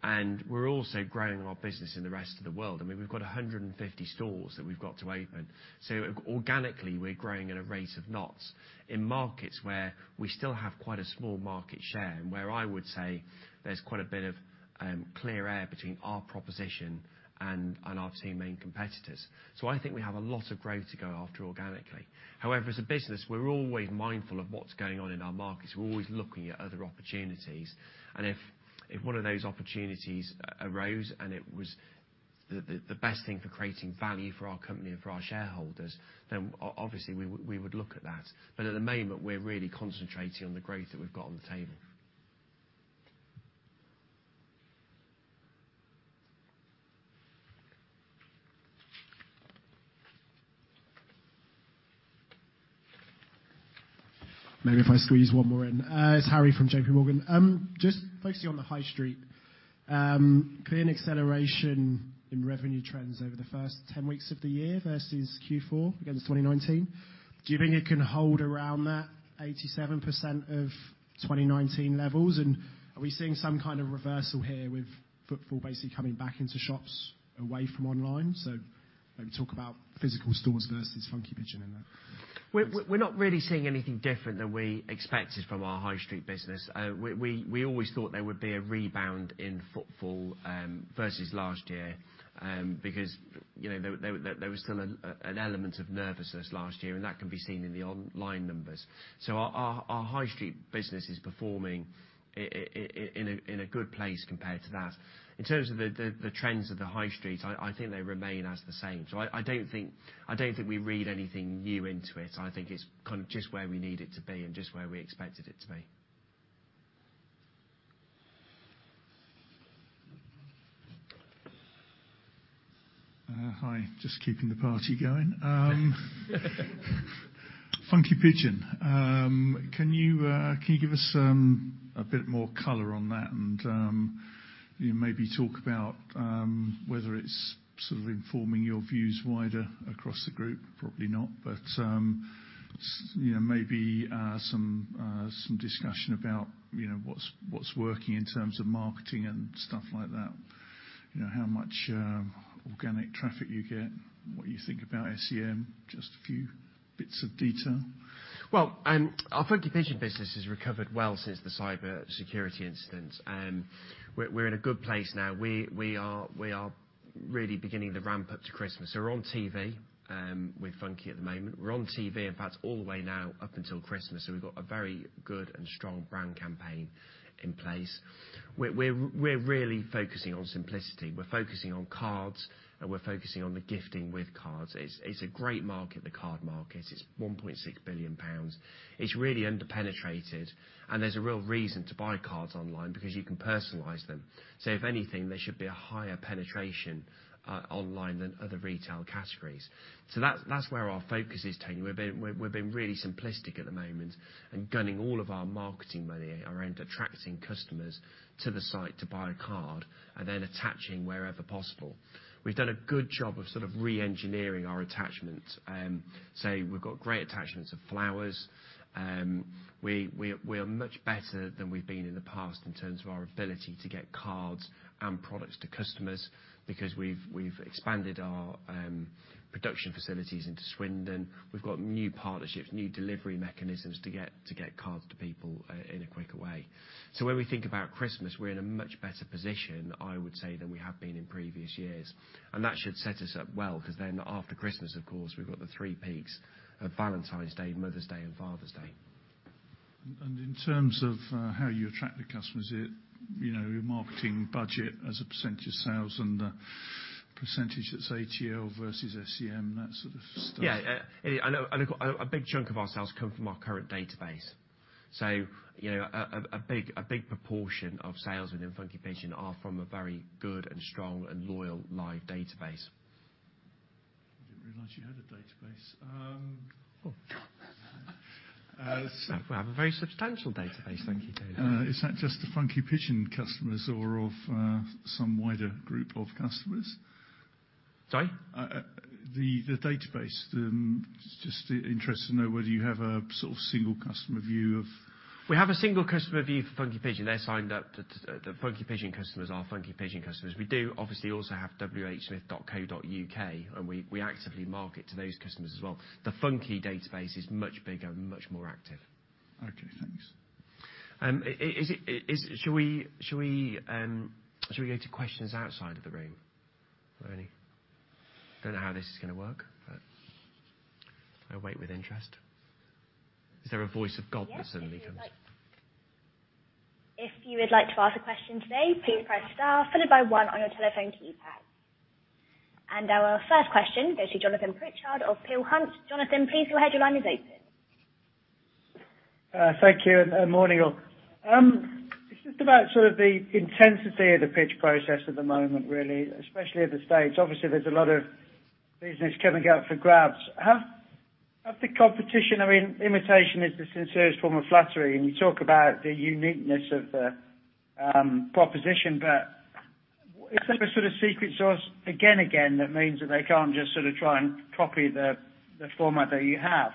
and we're also growing our business in the rest of the world. I mean, we've got 150 stores that we've got to open. Organically, we're growing at a rate of knots in markets where we still have quite a small market share and where I would say there's quite a bit of clear air between our proposition and our two main competitors. I think we have a lot of growth to go after organically. However, as a business, we're always mindful of what's going on in our markets. We're always looking at other opportunities. If one of those opportunities arose and it was the best thing for creating value for our company and for our shareholders, then obviously, we would look at that. At the moment, we're really concentrating on the growth that we've got on the table. Maybe if I squeeze one more in. It's Harry from JPMorgan. Just focusing on the High Street. Clear acceleration in revenue trends over the first 10 weeks of the year versus Q4 against 2019. Do you think it can hold around that 87% of 2019 levels? Are we seeing some kind of reversal here with footfall basically coming back into shops away from online? Maybe talk about physical stores versus Funky Pigeon in that. We're not really seeing anything different than we expected from our High Street business. We always thought there would be a rebound in footfall versus last year because you know there was still an element of nervousness last year and that can be seen in the online numbers. Our High Street business is performing in a good place compared to that. In terms of the trends of the High Street, I think they remain the same. I don't think we read anything new into it. I think it's kind of just where we need it to be and just where we expected it to be. Hi. Just keeping the party going. Funky Pigeon. Can you give us a bit more color on that and, you know, maybe talk about whether it's sort of informing your views wider across the group? Probably not. You know, maybe some discussion about, you know, what's working in terms of marketing and stuff like that. You know, how much organic traffic you get, what you think about SEM, just a few bits of detail. Well, our Funky Pigeon business has recovered well since the cybersecurity incident. We're in a good place now. We are really beginning the ramp up to Christmas. We're on TV with Funky at the moment. We're on TV, in fact, all the way now up until Christmas, so we've got a very good and strong brand campaign in place. We're really focusing on simplicity. We're focusing on cards, and we're focusing on the gifting with cards. It's a great market, the card market. It's 1.6 billion pounds. It's really under-penetrated, and there's a real reason to buy cards online because you can personalize them. If anything, there should be a higher penetration online than other retail categories. That's where our focus is taking. We're being really simplistic at the moment and gunning all of our marketing money around attracting customers to the site to buy a card and then attaching wherever possible. We've done a good job of sort of re-engineering our attachments. We've got great attachments of flowers. We are much better than we've been in the past in terms of our ability to get cards and products to customers because we've expanded our production facilities into Swindon. We've got new partnerships, new delivery mechanisms to get cards to people in a quicker way. When we think about Christmas, we're in a much better position, I would say, than we have been in previous years. That should set us up well, 'cause then after Christmas, of course, we've got the three peaks of Valentine's Day, Mother's Day, and Father's Day. In terms of how you attract the customers, you know, your marketing budget as a percentage of sales and percentage that's ATL versus SEM, that sort of stuff. Yeah. A big chunk of our sales come from our current database. You know, a big proportion of sales within Funky Pigeon are from a very good and strong and loyal live database. I didn't realize you had a database. We have a very substantial database, thank you, Tony. Is that just the Funky Pigeon customers or of some wider group of customers? Sorry? The database. Just interested to know whether you have a sort of single customer view of. We have a single customer view for Funky Pigeon. They're signed up to. The Funky Pigeon customers are Funky Pigeon customers. We do obviously also have whsmith.co.uk, and we actively market to those customers as well. The Funky database is much bigger and much more active. Okay, thanks. Shall we go to questions outside of the room? Are there any? Don't know how this is gonna work, but I wait with interest. Is there a voice of God that suddenly comes? If you would like to ask a question today, please press star followed by one on your telephone keypad. Our first question goes to Jonathan Pritchard of Peel Hunt. Jonathan, please go ahead. Your line is open. Thank you, morning, all. It's just about sort of the intensity of the pitch process at the moment, really, especially at the stage. Obviously, there's a lot of business coming up for grabs. How's the competition? I mean, imitation is the sincerest form of flattery, and you talk about the uniqueness of the proposition, but is there a sort of secret sauce again that means that they can't just sort of try and copy the format that you have?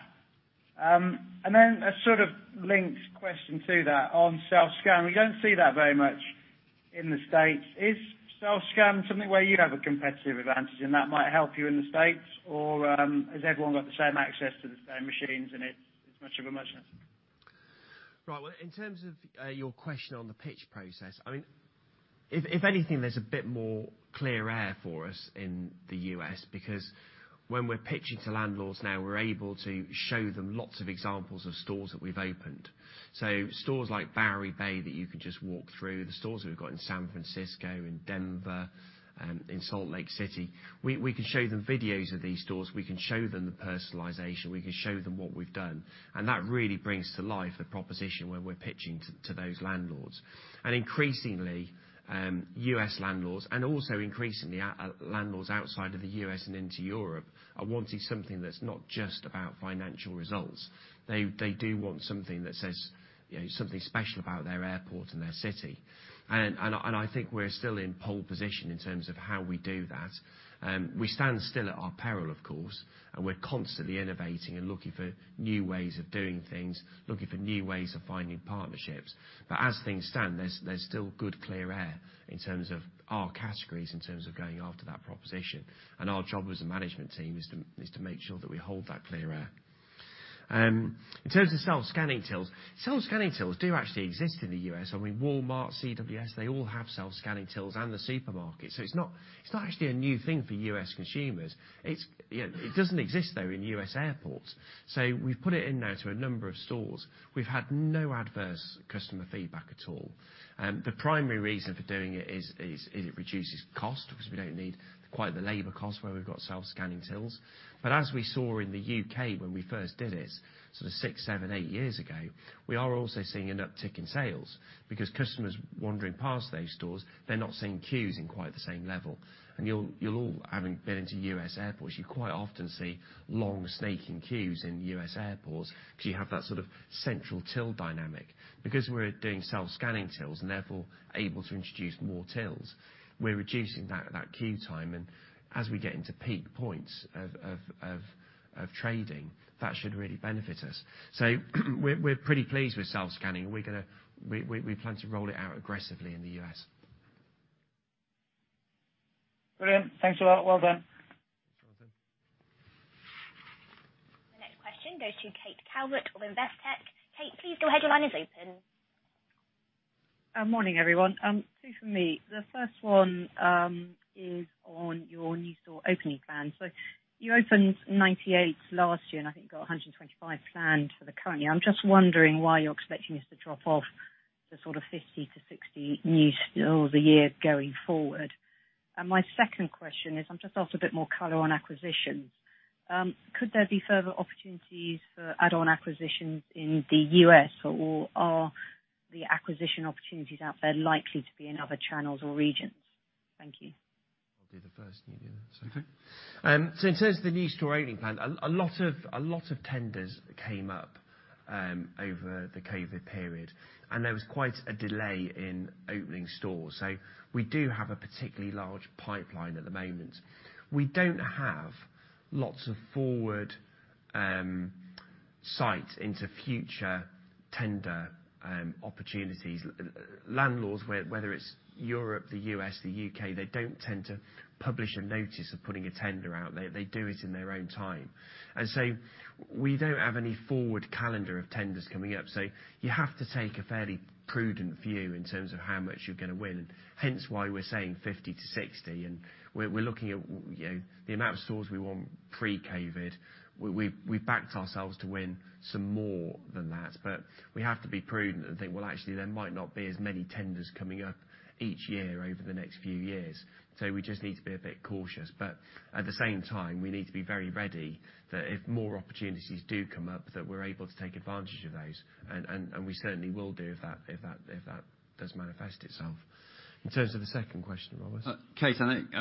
Then a sort of linked question to that on self-scan. We don't see that very much in the States. Is self-scan something where you have a competitive advantage and that might help you in the States? Or, has everyone got the same access to the same machines and it's much of a muchness? Right. Well, in terms of your question on the pitch process, I mean, if anything, there's a bit more clear air for us in the U.S. because when we're pitching to landlords now, we're able to show them lots of examples of stores that we've opened. Stores like Bowery Bay that you can just walk through, the stores that we've got in San Francisco, in Denver, in Salt Lake City. We can show them videos of these stores. We can show them the personalization. We can show them what we've done, and that really brings to life the proposition when we're pitching to those landlords. Increasingly U.S. landlords and also increasingly landlords outside of the U.S. and into Europe are wanting something that's not just about financial results. They do want something that says, you know, something special about their airport and their city. I think we're still in pole position in terms of how we do that. We stand still at our peril, of course, and we're constantly innovating and looking for new ways of doing things, looking for new ways of finding partnerships. As things stand, there's still good, clear air in terms of our categories, in terms of going after that proposition. Our job as a management team is to make sure that we hold that clear air. In terms of self-scanning tills, self-scanning tills do actually exist in the U.S. I mean, Walmart, CVS, they all have self-scanning tills and the supermarkets. It's not actually a new thing for US consumers. It's, you know, it doesn't exist, though, in U.S. airports. We've put it in now to a number of stores. We've had no adverse customer feedback at all. The primary reason for doing it is it reduces cost because we don't need quite the labor cost where we've got self-scanning tills. As we saw in the U.K. when we first did it, sort of 6, 7, 8 years ago, we are also seeing an uptick in sales. Because customers wandering past those stores, they're not seeing queues in quite the same level. You'll all, having been into U.S. airports, you quite often see long snaking queues in U.S. airports, because you have that sort of central till dynamic. Because we're doing self-scanning tills, and therefore able to introduce more tills, we're reducing that queue time. As we get into peak points of trading, that should really benefit us. We're pretty pleased with self-scanning, and we plan to roll it out aggressively in the U.S. Brilliant. Thanks a lot. Well done. The next question goes to Kate Calvert of Investec. Kate, please go ahead. Your line is open. Morning, everyone. Two from me. The first one is on your new store opening plan. You opened 98 last year, and I think you've got 125 planned for the current year. I'm just wondering why you're expecting this to drop off to sort of 50-60 new stores a year going forward. My second question is, I'm just after a bit more color on acquisitions. Could there be further opportunities for add-on acquisitions in the US, or are the acquisition opportunities out there likely to be in other channels or regions? Thank you. I'll do the first, and you do the second. Okay. In terms of the new store opening plan, a lot of tenders came up over the COVID period, and there was quite a delay in opening stores. We do have a particularly large pipeline at the moment. We don't have lots of forward sight into future tender opportunities. Landlords, whether it's Europe, the U.S., the U.K., they don't tend to publish a notice of putting a tender out there. They do it in their own time. We don't have any forward calendar of tenders coming up, so you have to take a fairly prudent view in terms of how much you're gonna win, and hence why we're saying 50-60. We're looking at, you know, the amount of stores we want pre-COVID. We've backed ourselves to win some more than that, but we have to be prudent and think, "Well, actually, there might not be as many tenders coming up each year over the next few years." We just need to be a bit cautious. At the same time, we need to be very ready that if more opportunities do come up, that we're able to take advantage of those. We certainly will do if that does manifest itself. In terms of the second question, Robert. Kate, I think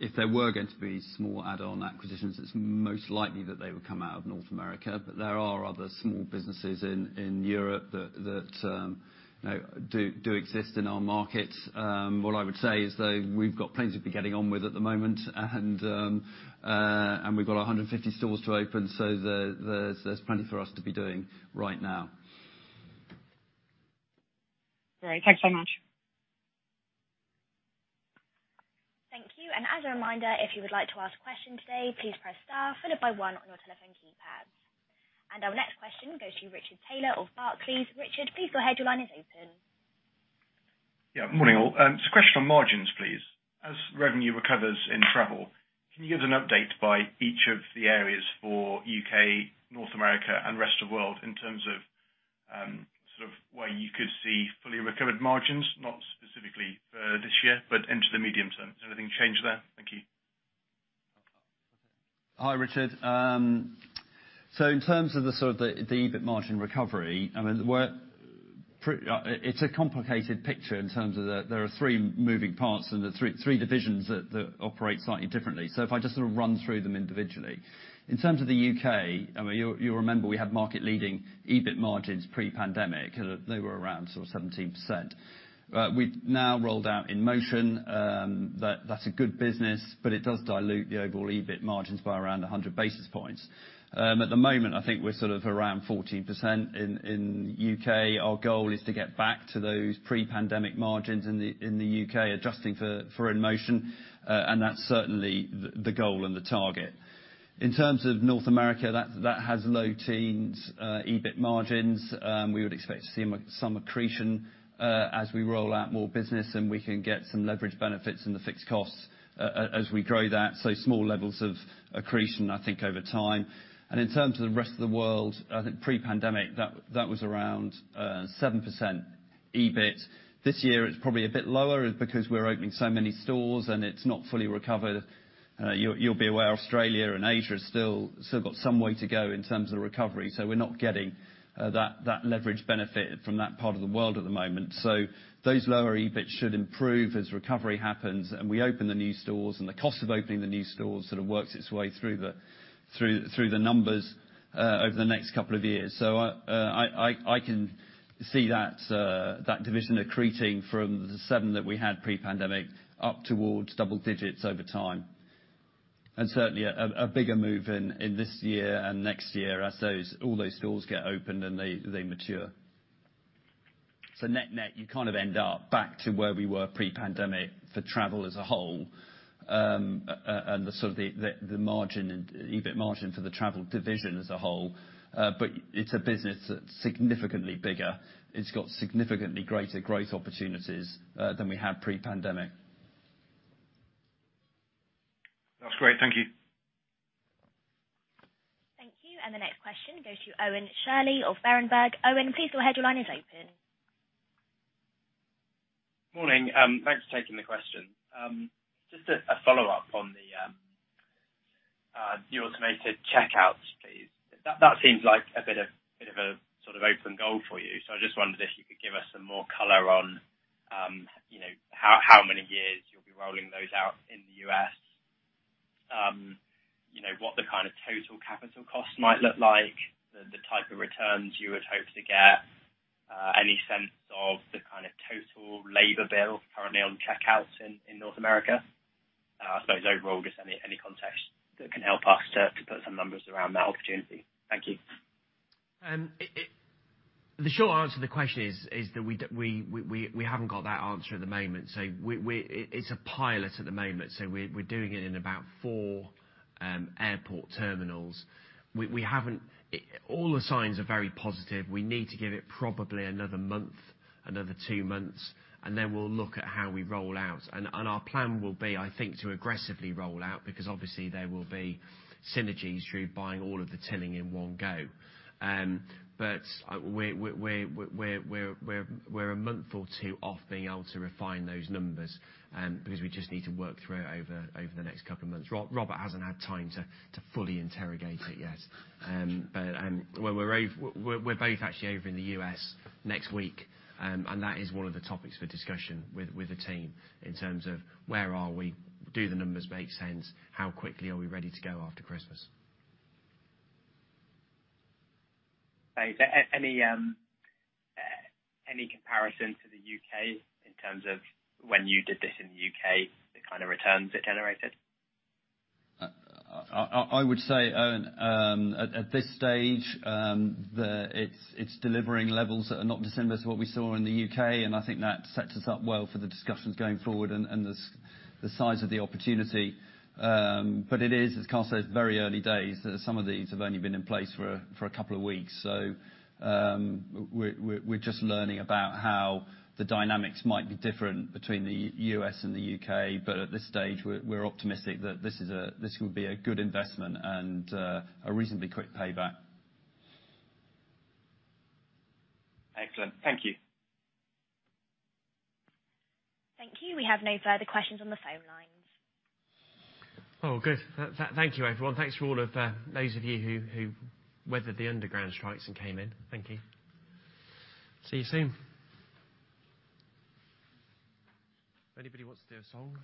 if there were going to be small add-on acquisitions, it's most likely that they would come out of North America. There are other small businesses in Europe that you know do exist in our market. What I would say is, though, we've got plenty to be getting on with at the moment and we've got 150 stores to open. There's plenty for us to be doing right now. Great. Thanks so much. Thank you. As a reminder, if you would like to ask a question today, please press star followed by one on your telephone keypad. Our next question goes to Richard Taylor of Barclays. Richard, please go ahead. Your line is open. Morning, all. A question on margins, please. As revenue recovers in travel, can you give an update by each of the areas for U.K., North America, and rest of world in terms of, sort of where you could see fully recovered margins? Not specifically for this year, but into the medium term. Has anything changed there? Thank you. Hi, Richard. In terms of the EBIT margin recovery, I mean, it's a complicated picture. There are three moving parts and the three divisions that operate slightly differently. If I just sort of run through them individually. In terms of the U.K., I mean, you remember we had market-leading EBIT margins pre-pandemic. They were around 17%. We've now rolled out InMotion. That's a good business, but it does dilute the overall EBIT margins by around 100 basis points. At the moment, I think we're around 14% in U.K. Our goal is to get back to those pre-pandemic margins in the U.K., adjusting for InMotion. That's certainly the goal and the target. In terms of North America, that has low-teens% EBIT margins. We would expect to see some accretion as we roll out more business, and we can get some leverage benefits in the fixed costs as we grow that, so small levels of accretion, I think, over time. In terms of the rest of the world, I think pre-pandemic that was around 7% EBIT. This year, it's probably a bit lower because we're opening so many stores, and it's not fully recovered. You'll be aware Australia and Asia has still got some way to go in terms of recovery, so we're not getting that leverage benefit from that part of the world at the moment. Those lower EBIT should improve as recovery happens, and we open the new stores, and the cost of opening the new stores sort of works its way through the numbers over the next couple of years. I can see that division accreting from the 7% that we had pre-pandemic up towards double digits over time. Certainly a bigger move in this year and next year as all those stores get opened and they mature. Net-net, you kind of end up back to where we were pre-pandemic for travel as a whole. And the EBIT margin for the travel division as a whole, but it's a business that's significantly bigger. It's got significantly greater growth opportunities than we had pre-pandemic. That's great. Thank you. Thank you. The next question goes to Owen Shirley of Berenberg. Owen, please go ahead. Your line is open. Morning. Thanks for taking the question. Just a follow-up on the automated checkouts, please. That seems like a bit of a sort of open goal for you. I just wondered if you could give us some more color on, you know, how many years you'll be rolling those out in the U.S. You know, what the kind of total capital costs might look like, the type of returns you would hope to get. Any sense of the kind of total labor bill currently on checkouts in North America? I suppose overall, just any context that can help us to put some numbers around that opportunity. Thank you. The short answer to the question is that we haven't got that answer at the moment. It's a pilot at the moment, so we're doing it in about four airport terminals. All the signs are very positive. We need to give it probably another month, another two months, and then we'll look at how we roll out. Our plan will be, I think, to aggressively roll out because obviously there will be synergies through buying all of the tills in one go. We're a month or two off being able to refine those numbers, because we just need to work through it over the next couple of months. Robert hasn't had time to fully interrogate it yet. Well, we're both actually over in the US next week, and that is one of the topics for discussion with the team in terms of where are we, do the numbers make sense, how quickly are we ready to go after Christmas. Great. Any comparison to the U.K. in terms of when you did this in the U.K., the kind of returns it generated? I would say, Owen, at this stage, it's delivering levels that are not dissimilar to what we saw in the U.K., and I think that sets us up well for the discussions going forward and the size of the opportunity. It is, as Carl said, it's very early days. Some of these have only been in place for a couple of weeks. We're just learning about how the dynamics might be different between the U.S. and the U.K. At this stage we're optimistic that this will be a good investment and a reasonably quick payback. Excellent. Thank you. Thank you. We have no further questions on the phone lines. Oh, good. Thank you, everyone. Thanks for all of those of you who weathered the Underground strikes and came in. Thank you. See you soon. If anybody wants to do a song.